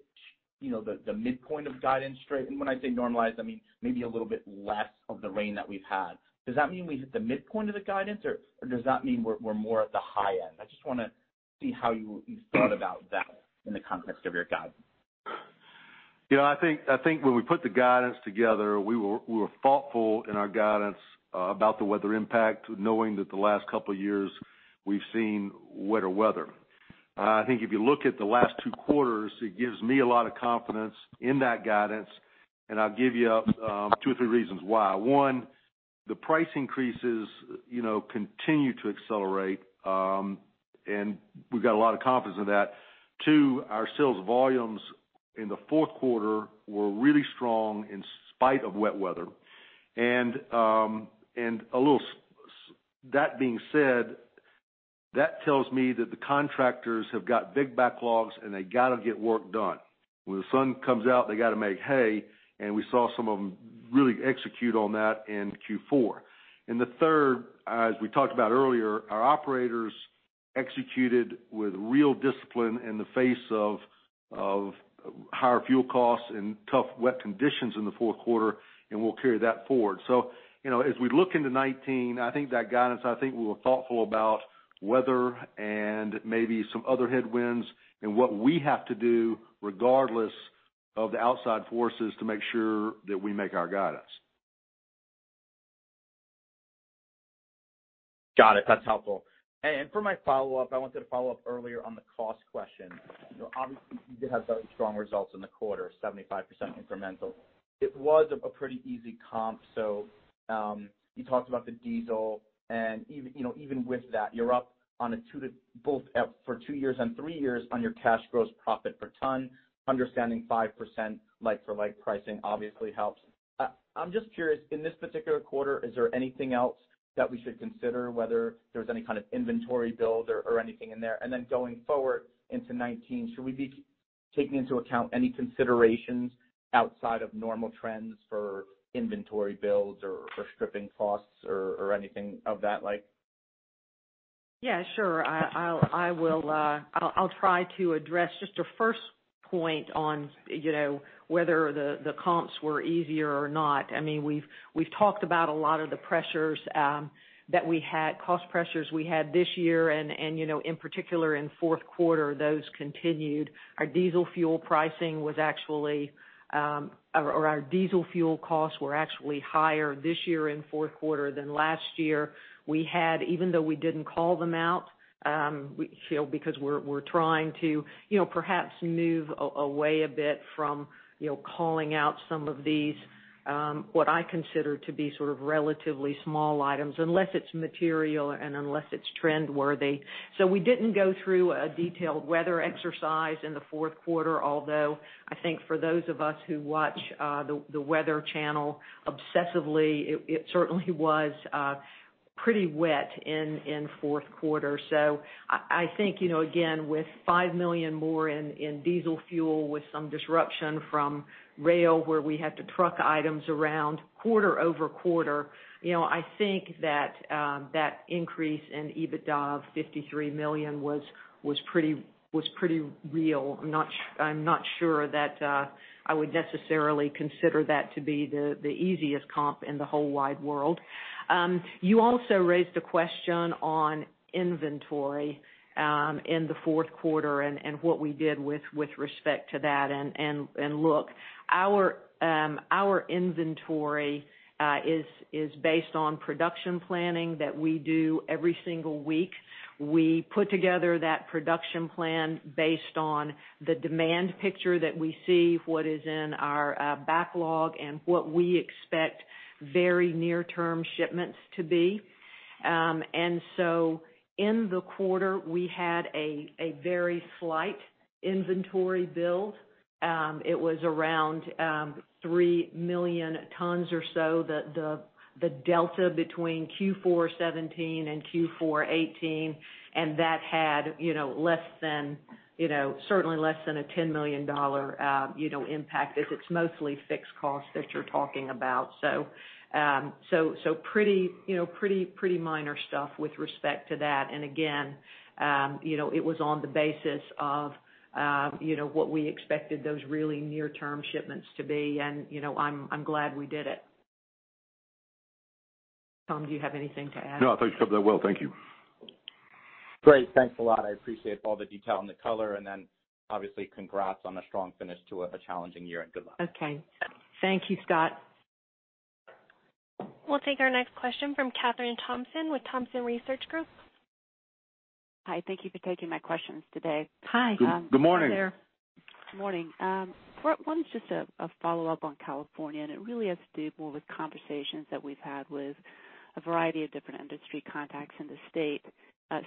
the midpoint of guidance straight? When I say normalized, I mean maybe a little bit less of the rain that we've had. Does that mean we hit the midpoint of the guidance, or does that mean we're more at the high end? I just want to see how you thought about that in the context of your guidance. I think when we put the guidance together, we were thoughtful in our guidance about the weather impact, knowing that the last couple of years we've seen wetter weather. I think if you look at the last two quarters, it gives me a lot of confidence in that guidance, and I'll give you two or three reasons why. One, the price increases continue to accelerate, and we've got a lot of confidence in that. Two, our sales volumes in the fourth quarter were really strong in spite of wet weather. That being said, that tells me that the contractors have got big backlogs and they got to get work done. When the sun comes out, they got to make hay, and we saw some of them really execute on that in Q4. The third, as we talked about earlier, our operators executed with real discipline in the face of higher fuel costs and tough wet conditions in the fourth quarter, and we'll carry that forward. As we look into 2019, I think that guidance, I think we were thoughtful about weather and maybe some other headwinds and what we have to do, regardless of the outside forces, to make sure that we make our guidance. Got it. That's helpful. For my follow-up, I wanted to follow up earlier on the cost question. Obviously, you did have very strong results in the quarter, 75% incremental. It was a pretty easy comp. You talked about the diesel, and even with that, you're up for two years and three years on your cash gross profit per ton. Understanding 5% like-for-like pricing obviously helps. I'm just curious, in this particular quarter, is there anything else that we should consider, whether there's any kind of inventory build or anything in there? Then going forward into 2019, should we be taking into account any considerations outside of normal trends for inventory builds or stripping costs or anything of that like? Yeah, sure. I'll try to address just your first point on whether the comps were easier or not. We've talked about a lot of the pressures that we had, cost pressures we had this year, in particular in fourth quarter, those continued. Our diesel fuel costs were actually higher this year in fourth quarter than last year. Even though we didn't call them out, because we're trying to perhaps move away a bit from calling out some of these, what I consider to be sort of relatively small items, unless it's material and unless it's trend worthy. We didn't go through a detailed weather exercise in the fourth quarter, although I think for those of us who watch The Weather Channel obsessively, it certainly was pretty wet in fourth quarter. I think, again, with $5 million more in diesel fuel, with some disruption from rail where we had to truck items around quarter-over-quarter, I think that increase in EBITDA of $53 million was pretty real. I'm not sure that I would necessarily consider that to be the easiest comp in the whole wide world. You also raised a question on inventory in the fourth quarter and what we did with respect to that. Look, our inventory is based on production planning that we do every single week. We put together that production plan based on the demand picture that we see, what is in our backlog, and what we expect very near-term shipments to be. In the quarter, we had a very slight inventory build. It was around 3 million tons or so, the delta between Q4'17 and Q4'18, that had certainly less than a $10 million impact, as it's mostly fixed costs that you're talking about. Pretty minor stuff with respect to that. Again, it was on the basis of what we expected those really near-term shipments to be, I'm glad we did it. Tom, do you have anything to add? No, I think that covers it well, thank you. Great. Thanks a lot. I appreciate all the detail and the color. Obviously, congrats on a strong finish to a challenging year, and good luck. Okay. Thank you, Scott. We'll take our next question from Kathryn Thompson with Thompson Research Group. Hi, thank you for taking my questions today. Hi. Good morning. Hi there. Good morning. One is just a follow-up on California. It really has to do more with conversations that we've had with a variety of different industry contacts in the state.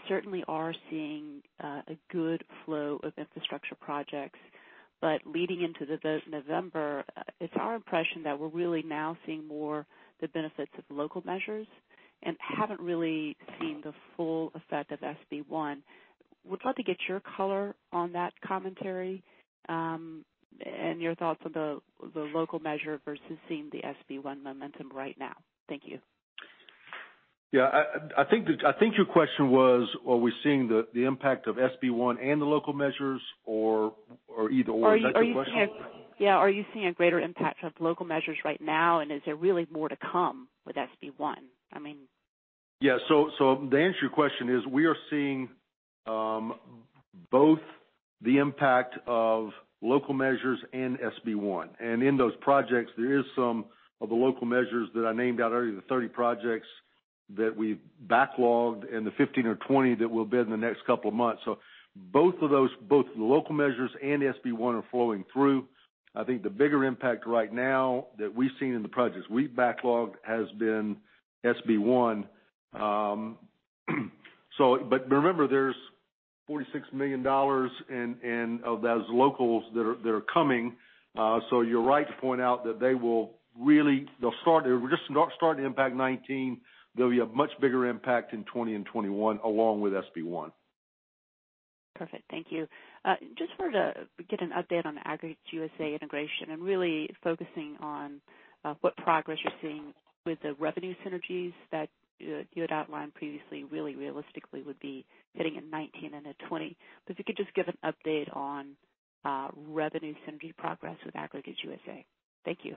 Certainly are seeing a good flow of infrastructure projects. Leading into November, it's our impression that we're really now seeing more the benefits of local measures and haven't really seen the full effect of SB1. Would love to get your color on that commentary. Your thoughts on the local measure versus seeing the SB1 momentum right now. Thank you. Yeah, I think your question was, are we seeing the impact of SB1 and the local measures or either/or. Is that the question? Are you seeing a greater impact of local measures right now, and is there really more to come with SB1? The answer to your question is we are seeing both the impact of local measures and SB1. In those projects, there is some of the local measures that I named out earlier, the 30 projects that we've backlogged and the 15 or 20 that we'll bid in the next couple of months. Both of those, both the local measures and SB1 are flowing through. I think the bigger impact right now that we've seen in the projects we've backlogged has been SB1. Remember, there's $46 million of those locals that are coming. You're right to point out that they will start to impact 2019. They'll be a much bigger impact in 2020 and 2021, along with SB1. Perfect. Thank you. Just wanted to get an update on the Aggregates USA integration, and really focusing on what progress you're seeing with the revenue synergies that you had outlined previously, really realistically would be hitting in 2019 and at 2020. If you could just give an update on revenue synergy progress with Aggregates USA. Thank you.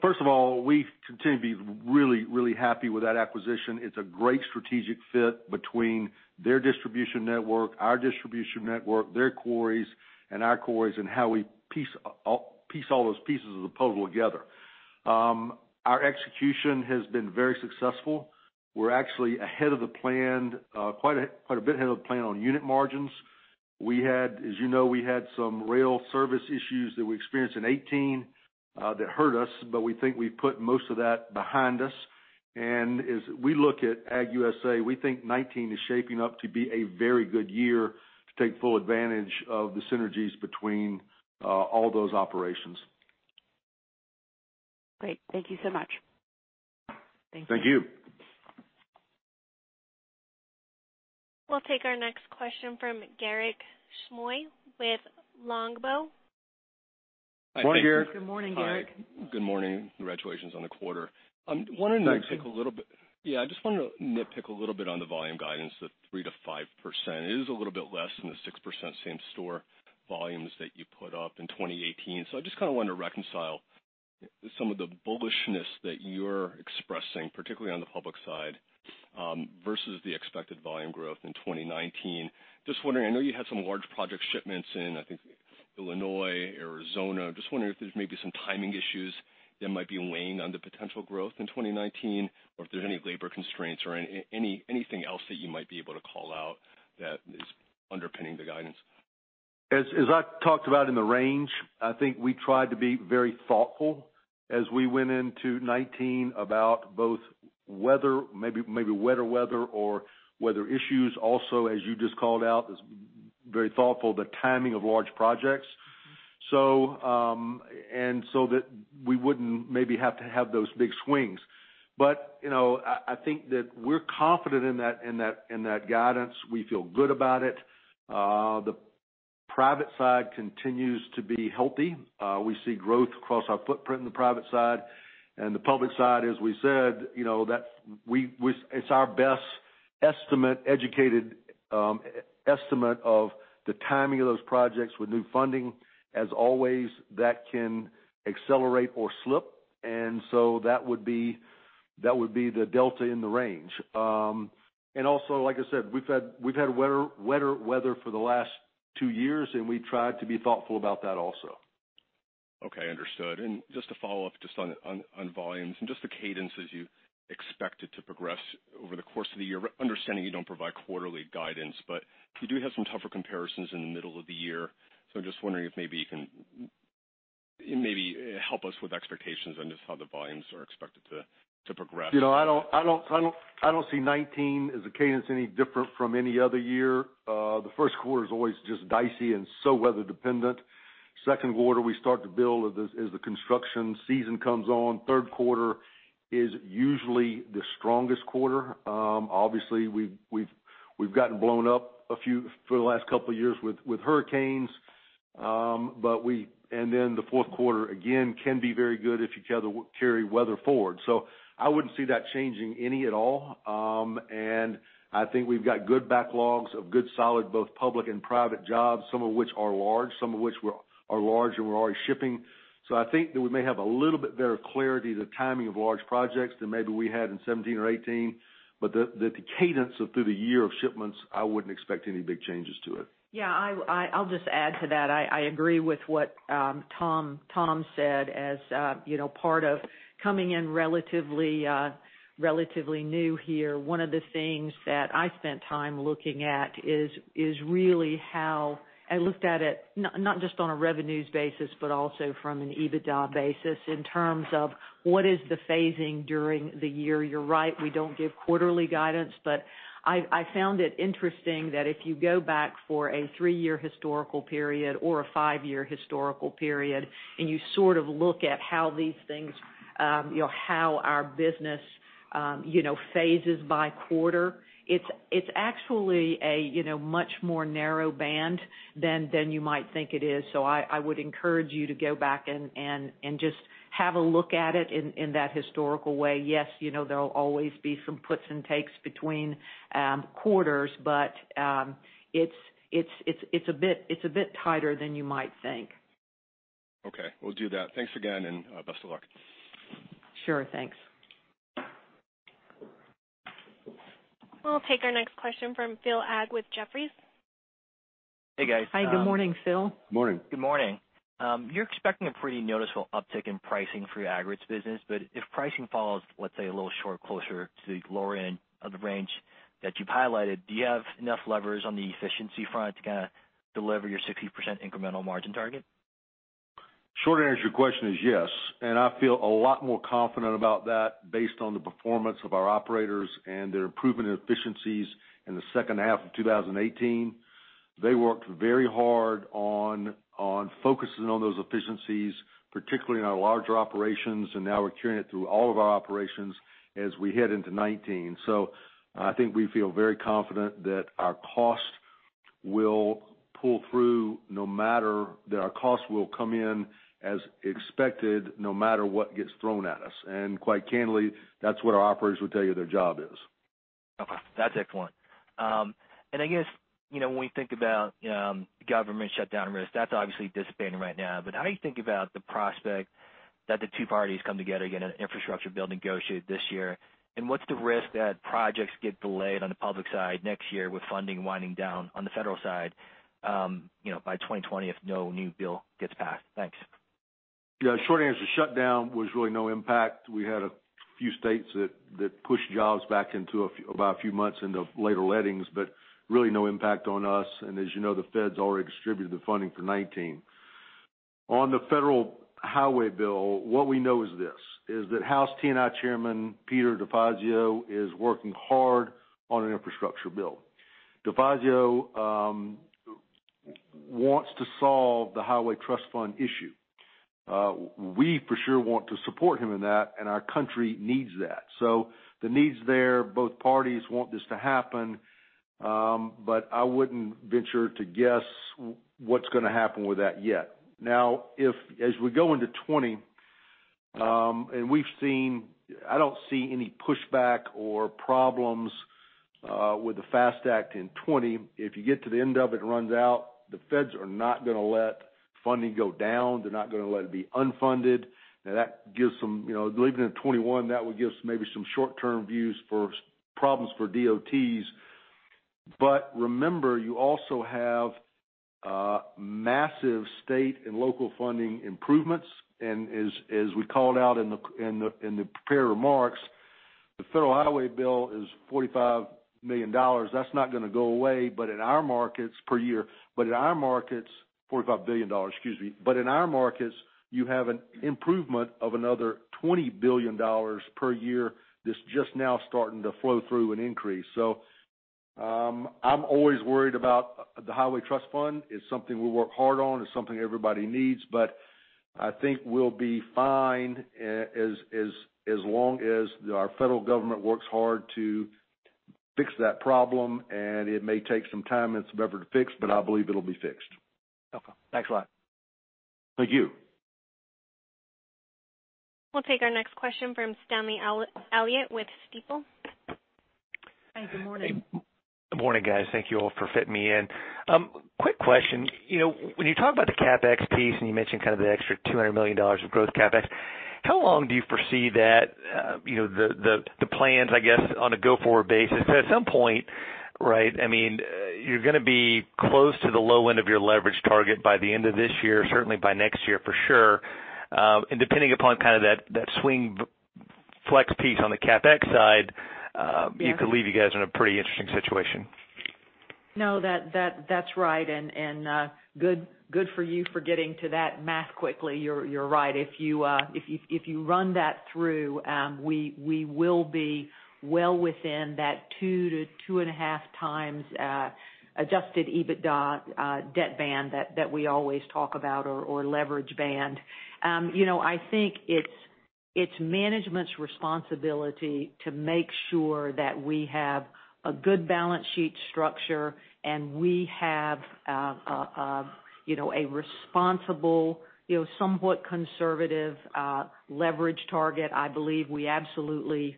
First of all, we continue to be really, really happy with that acquisition. It's a great strategic fit between their distribution network, our distribution network, their quarries, and our quarries, and how we piece all those pieces of the puzzle together. Our execution has been very successful. We're actually quite a bit ahead of the plan on unit margins. As you know, we had some rail service issues that we experienced in 2018 that hurt us, but we think we've put most of that behind us. As we look at Aggregates USA, we think 2019 is shaping up to be a very good year to take full advantage of the synergies between all those operations. Great. Thank you so much. Thank you. We'll take our next question from Garik Shmois with Longbow. Morning, Garik. Good morning, Garik. Hi. Good morning. Congratulations on the quarter. Thank you. Yeah, I just wanted to nitpick a little bit on the volume guidance, the 3%-5%. It is a little bit less than the 6% same store volumes that you put up in 2018. I just kind of want to reconcile some of the bullishness that you're expressing, particularly on the public side, versus the expected volume growth in 2019. Just wondering, I know you had some large project shipments in, I think, Illinois, Arizona. Just wondering if there's maybe some timing issues that might be weighing on the potential growth in 2019, or if there's any labor constraints or anything else that you might be able to call out that is underpinning the guidance. As I talked about in the range, I think we tried to be very thoughtful as we went into 2019 about both maybe wetter weather or weather issues. Also, as you just called out, it's very thoughtful, the timing of large projects. That we wouldn't maybe have to have those big swings. I think that we're confident in that guidance. We feel good about it. The private side continues to be healthy. We see growth across our footprint in the private side. The public side, as we said, it's our best educated estimate of the timing of those projects with new funding. As always, that can accelerate or slip, that would be the delta in the range. Like I said, we've had wetter weather for the last two years, and we tried to be thoughtful about that also. Okay. Understood. Just to follow up just on volumes and just the cadence as you expect it to progress over the course of the year. Understanding you don't provide quarterly guidance, but you do have some tougher comparisons in the middle of the year. I'm just wondering if maybe you can help us with expectations on just how the volumes are expected to progress. I don't see 2019 as a cadence any different from any other year. The first quarter is always just dicey and weather dependent. Second quarter, we start to build as the construction season comes on. Third quarter is usually the strongest quarter. Obviously, we've gotten blown up for the last couple of years with hurricanes. The fourth quarter, again, can be very good if you carry weather forward. I wouldn't see that changing any at all. I think we've got good backlogs of good, solid, both public and private jobs, some of which are large, and we're already shipping. I think that we may have a little bit better clarity, the timing of large projects than maybe we had in 2017 or 2018. But the cadence through the year of shipments, I wouldn't expect any big changes to it. Yeah, I'll just add to that. I agree with what Tom said. As part of coming in relatively new here, one of the things that I spent time looking at is really how I looked at it, not just on a revenues basis, but also from an EBITDA basis in terms of what is the phasing during the year. You're right, we don't give quarterly guidance, but I found it interesting that if you go back for a three-year historical period or a five-year historical period, and you sort of look at how our business phases by quarter, it's actually a much more narrow band than you might think it is. I would encourage you to go back and just have a look at it in that historical way. Yes, there'll always be some puts and takes between quarters, but it's a bit tighter than you might think. Okay. We'll do that. Thanks again and best of luck. Sure. Thanks. We'll take our next question from Philip Ng with Jefferies. Hey, guys. Hi. Good morning, Phil. Morning. Good morning. You're expecting a pretty noticeable uptick in pricing for your aggregates business, but if pricing falls, let's say, a little short, closer to the lower end of the range that you've highlighted, do you have enough levers on the efficiency front to kind of deliver your 60% incremental margin target? Short answer to your question is yes. I feel a lot more confident about that based on the performance of our operators and their improvement in efficiencies in the second half of 2018. They worked very hard on focusing on those efficiencies, particularly in our larger operations, now we're carrying it through all of our operations as we head into 2019. I think we feel very confident that our cost will come in as expected, no matter what gets thrown at us. Quite candidly, that's what our operators would tell you their job is. Okay, that's excellent. I guess, when we think about government shutdown risk, that's obviously dissipating right now. How do you think about the prospect that the two parties come together, get an infrastructure bill negotiated this year? What's the risk that projects get delayed on the public side next year with funding winding down on the federal side by 2020 if no new bill gets passed? Thanks. Yeah, short answer, shutdown was really no impact. We had a few states that pushed jobs back about a few months into later lettings, but really no impact on us. As you know, the feds already distributed the funding for 2019. On the federal highway bill, what we know is this: is that House T&I Chairman Peter DeFazio is working hard on an infrastructure bill. DeFazio wants to solve the Highway Trust Fund issue. We for sure want to support him in that, and our country needs that. The need's there. Both parties want this to happen. I wouldn't venture to guess what's going to happen with that yet. Now, as we go into 2020, I don't see any pushback or problems with the FAST Act in 2020. If you get to the end of it runs out. The feds are not going to let funding go down. They're not going to let it be unfunded. Now, leaving it in 2021, that would give us maybe some short-term views for problems for DOTs. Remember, you also have massive state and local funding improvements. As we called out in the prepared remarks, the federal highway bill is $45 million. That's not going to go away per year. $45 billion, excuse me. In our markets, you have an improvement of another $20 billion per year that's just now starting to flow-through an increase. I'm always worried about the Highway Trust Fund. It's something we work hard on. It's something everybody needs. I think we'll be fine as long as our federal government works hard to fix that problem. It may take some time and some effort to fix, but I believe it'll be fixed. Okay. Thanks a lot. Thank you. We'll take our next question from Stanley Elliott with Stifel. Hi, good morning. Good morning, guys. Thank you all for fitting me in. Quick question. When you talk about the CapEx piece, and you mentioned kind of the extra $200 million of growth CapEx, how long do you foresee the plans, I guess, on a go-forward basis? Because at some point, you're going to be close to the low end of your leverage target by the end of this year, certainly by next year for sure. Depending upon kind of that swing flex piece on the CapEx side, it could leave you guys in a pretty interesting situation. No, that's right. Good for you for getting to that math quickly. You're right. If you run that through, we will be well within that 2 to 2.5 times adjusted EBITDA debt band that we always talk about, or leverage band. I think it's management's responsibility to make sure that we have a good balance sheet structure and we have a responsible, somewhat conservative leverage target. I believe we absolutely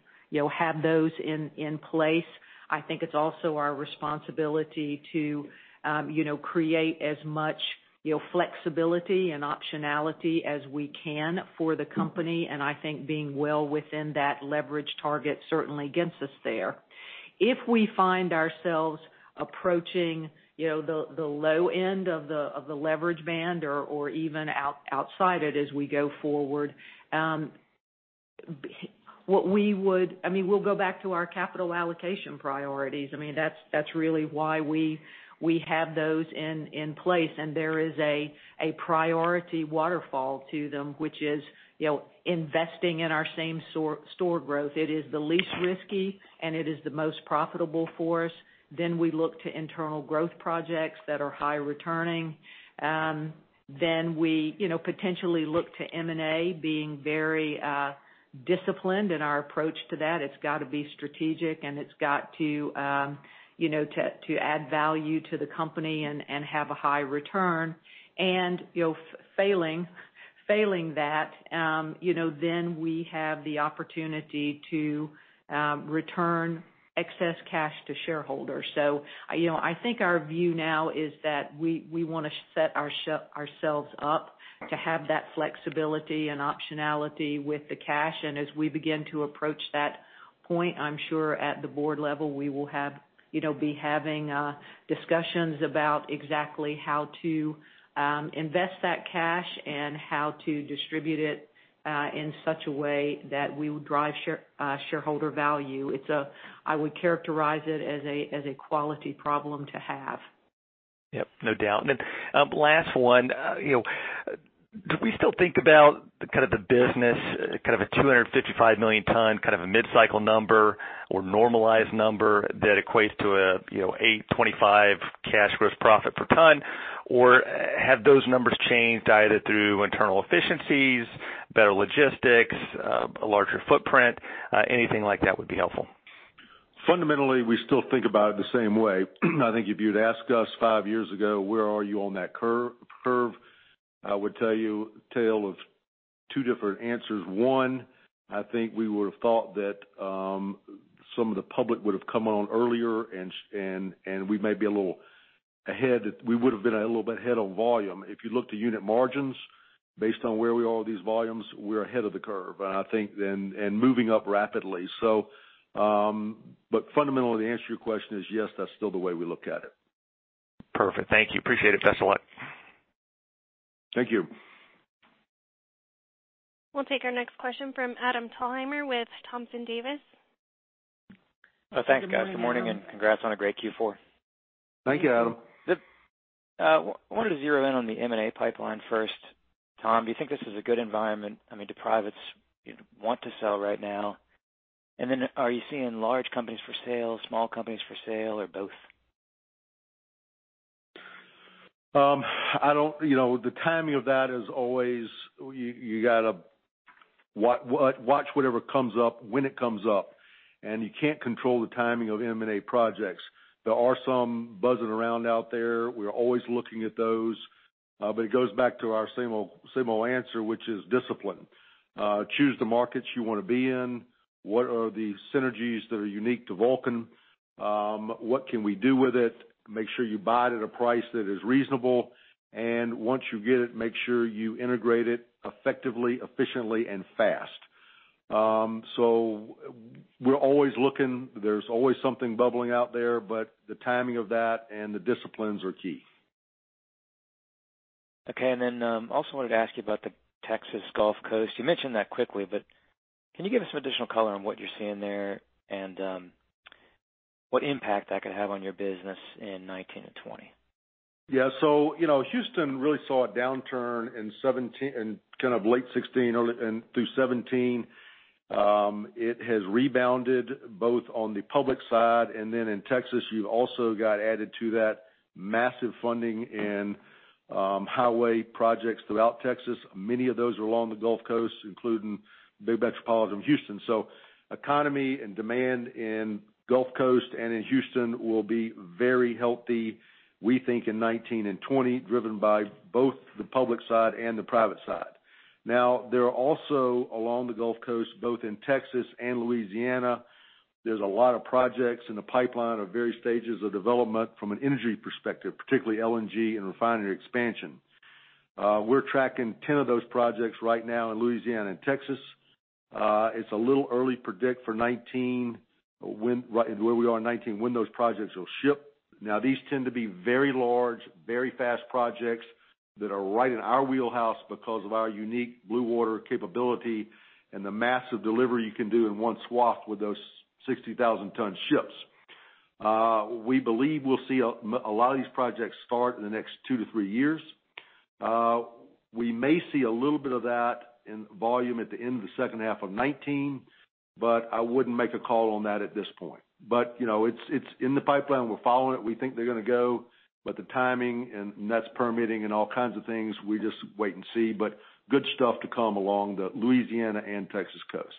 have those in place. I think it's also our responsibility to create as much flexibility and optionality as we can for the company. I think being well within that leverage target certainly gets us there. If we find ourselves approaching the low end of the leverage band or even outside it as we go forward, we'll go back to our capital allocation priorities. That's really why we have those in place, there is a priority waterfall to them, which is investing in our same-store growth. It is the least risky, it is the most profitable for us. We look to internal growth projects that are high returning. We potentially look to M&A, being very disciplined in our approach to that. It's got to be strategic, it's got to add value to the company and have a high return. Failing that, we have the opportunity to return excess cash to shareholders. I think our view now is that we want to set ourselves up to have that flexibility and optionality with the cash. As we begin to approach that point, I'm sure at the board level, we will be having discussions about exactly how to invest that cash and how to distribute it in such a way that we will drive shareholder value. I would characterize it as a quality problem to have. Yep, no doubt. Last one. Do we still think about the business, kind of a 255 million tons, kind of a mid-cycle number or normalized number that equates to a 825 cash gross profit per ton? Have those numbers changed, either through internal efficiencies, better logistics, a larger footprint? Anything like that would be helpful. Fundamentally, we still think about it the same way. I think if you'd asked us five years ago, where are you on that curve, I would tell you a tale of two different answers. One, I think we would've thought that some of the public would've come on earlier, and we may be a little ahead. We would've been a little bit ahead on volume. If you look to unit margins based on where we are with these volumes, we're ahead of the curve, and I think, moving up rapidly. Fundamentally, the answer to your question is yes, that's still the way we look at it. Perfect. Thank you. Appreciate it, best of luck. Thank you. We'll take our next question from Adam Thalhimer with Thompson Davis. Thanks, guys. Good morning, and congrats on a great Q4. Thank you, Adam. I wanted to zero in on the M&A pipeline first. Tom, do you think this is a good environment? I mean, do privates want to sell right now? Are you seeing large companies for sale, small companies for sale, or both? The timing of that is always, you got to watch whatever comes up when it comes up, and you can't control the timing of M&A projects. There are some buzzing around out there. We're always looking at those. It goes back to our same old answer, which is discipline. Choose the markets you want to be in. What are the synergies that are unique to Vulcan? What can we do with it? Make sure you buy it at a price that is reasonable. Once you get it, make sure you integrate it effectively, efficiently, and fast. We're always looking. There's always something bubbling out there, but the timing of that and the disciplines are key. Okay. I also wanted to ask you about the Texas Gulf Coast. You mentioned that quickly, but can you give us some additional color on what you're seeing there and what impact that could have on your business in 2019 and 2020? Yeah. Houston really saw a downturn in late 2016 through 2017. It has rebounded both on the public side in Texas, you also got added to that massive funding in highway projects throughout Texas. Many of those are along the Gulf Coast, including the big metropolitan Houston. Economy and demand in Gulf Coast and in Houston will be very healthy, we think in 2019 and 2020, driven by both the public side and the private side. There are also along the Gulf Coast, both in Texas and Louisiana, there's a lot of projects in the pipeline of various stages of development from an energy perspective, particularly LNG and refinery expansion. We're tracking 10 of those projects right now in Louisiana and Texas. It's a little early predict for where we are in 2019 when those projects will ship. These tend to be very large, very fast projects that are right in our wheelhouse because of our unique blue water capability and the massive delivery you can do in one swath with those 60,000 ton ships. We believe we'll see a lot of these projects start in the next two to three years. We may see a little bit of that in volume at the end of the second half of 2019, I wouldn't make a call on that at this point. It's in the pipeline. We're following it. We think they're going to go. The timing, and that's permitting and all kinds of things, we just wait and see, but good stuff to come along the Louisiana and Texas coast.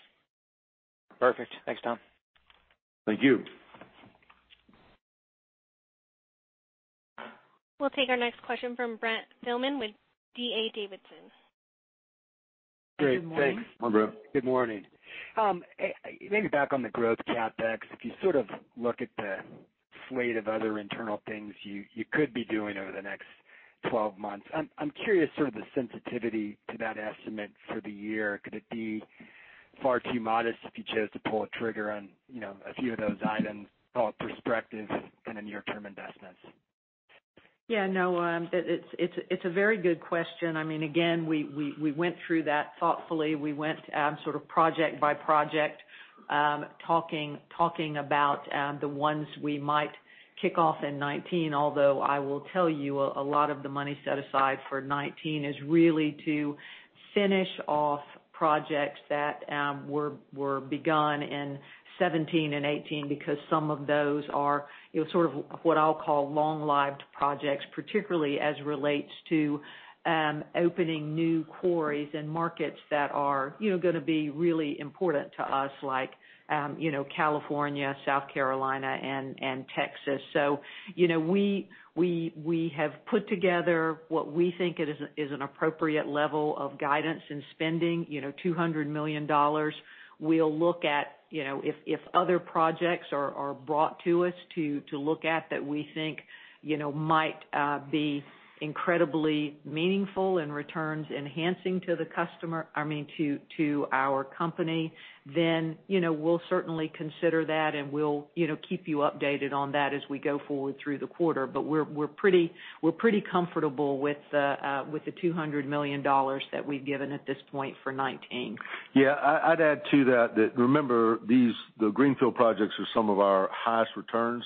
Perfect. Thanks, Tom. Thank you. We'll take our next question from Brent Thielman with D.A. Davidson. Great. Thanks. Hi, Brent. Good morning. Maybe back on the growth CapEx. If you sort of look at the slate of other internal things you could be doing over the next 12 months, I'm curious, sort of the sensitivity to that estimate for the year. Could it be far too modest if you chose to pull a trigger on a few of those items, call it perspective in the near term investments? Yeah, no, it's a very good question. Again, we went through that thoughtfully. We went sort of project by project, talking about the ones we might kick off in 2019. Although I will tell you, a lot of the money set aside for 2019 is really to finish off projects that were begun in 2017 and 2018 because some of those are sort of what I'll call long-lived projects, particularly as relates to opening new quarries and markets that are going to be really important to us, like California, South Carolina, and Texas. We have put together what we think is an appropriate level of guidance in spending, $200 million. We'll look at if other projects are brought to us to look at that we think might be incredibly meaningful in returns enhancing to our company, then we'll certainly consider that, and we'll keep you updated on that as we go forward through the quarter. We're pretty comfortable with the $200 million that we've given at this point for 2019. Yeah. I'd add to that, remember, the greenfield projects are some of our highest returns.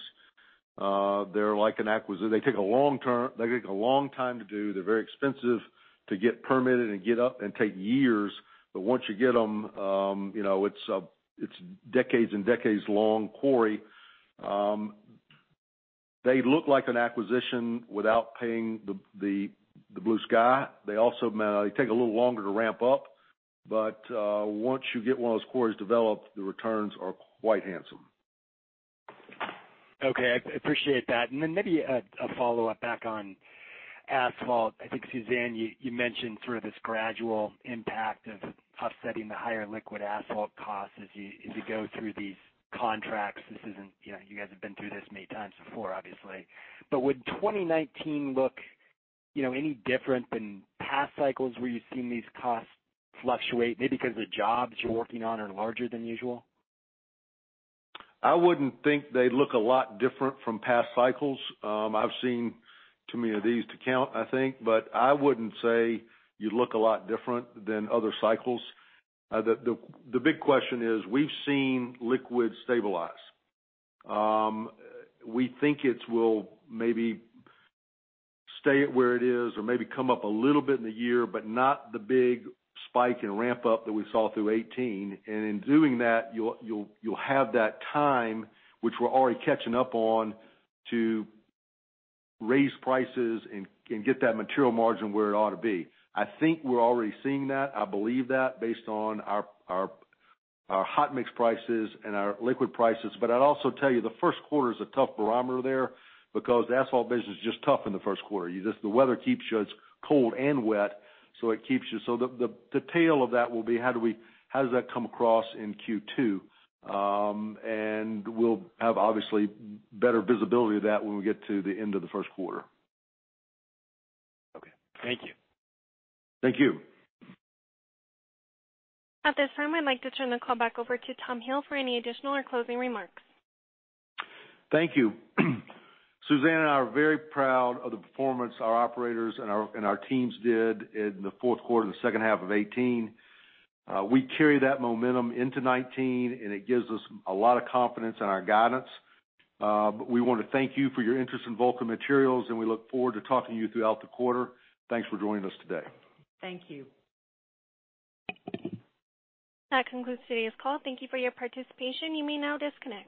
They're like an acquisition. They take a long time to do. They're very expensive to get permitted and get up and take years. Once you get them, it's decades and decades long quarry. They look like an acquisition without paying the blue sky. They take a little longer to ramp up, once you get one of those quarries developed, the returns are quite handsome. Okay. I appreciate that. Then maybe a follow-up back on asphalt. I think, Suzanne, you mentioned this gradual impact of offsetting the higher liquid asphalt costs as you go through these contracts. You guys have been through this many times before, obviously. Would 2019 look any different than past cycles where you've seen these costs fluctuate, maybe because the jobs you're working on are larger than usual? I wouldn't think they'd look a lot different from past cycles. I've seen too many of these to count, I think, but I wouldn't say you look a lot different than other cycles. The big question is, we've seen liquids stabilize. We think it will maybe stay at where it is or maybe come up a little bit in the year, but not the big spike and ramp-up that we saw through 2018. In doing that, you'll have that time, which we're already catching up on, to raise prices and get that material margin where it ought to be. I think we're already seeing that. I believe that based on our hot mix prices and our liquid prices. I'd also tell you, the first quarter's a tough barometer there because the asphalt business is just tough in the first quarter. The weather keeps you, it's cold and wet. The tail of that will be how does that come across in Q2? We'll have, obviously, better visibility of that when we get to the end of the first quarter. Okay. Thank you. Thank you. At this time, I'd like to turn the call back over to Tom Hill for any additional or closing remarks. Thank you. Suzanne and I are very proud of the performance our operators and our teams did in the fourth quarter, the second half of 2018. We carry that momentum into 2019, and it gives us a lot of confidence in our guidance. We want to thank you for your interest in Vulcan Materials, and we look forward to talking to you throughout the quarter. Thanks for joining us today. Thank you. That concludes today's call. Thank you for your participation. You may now disconnect.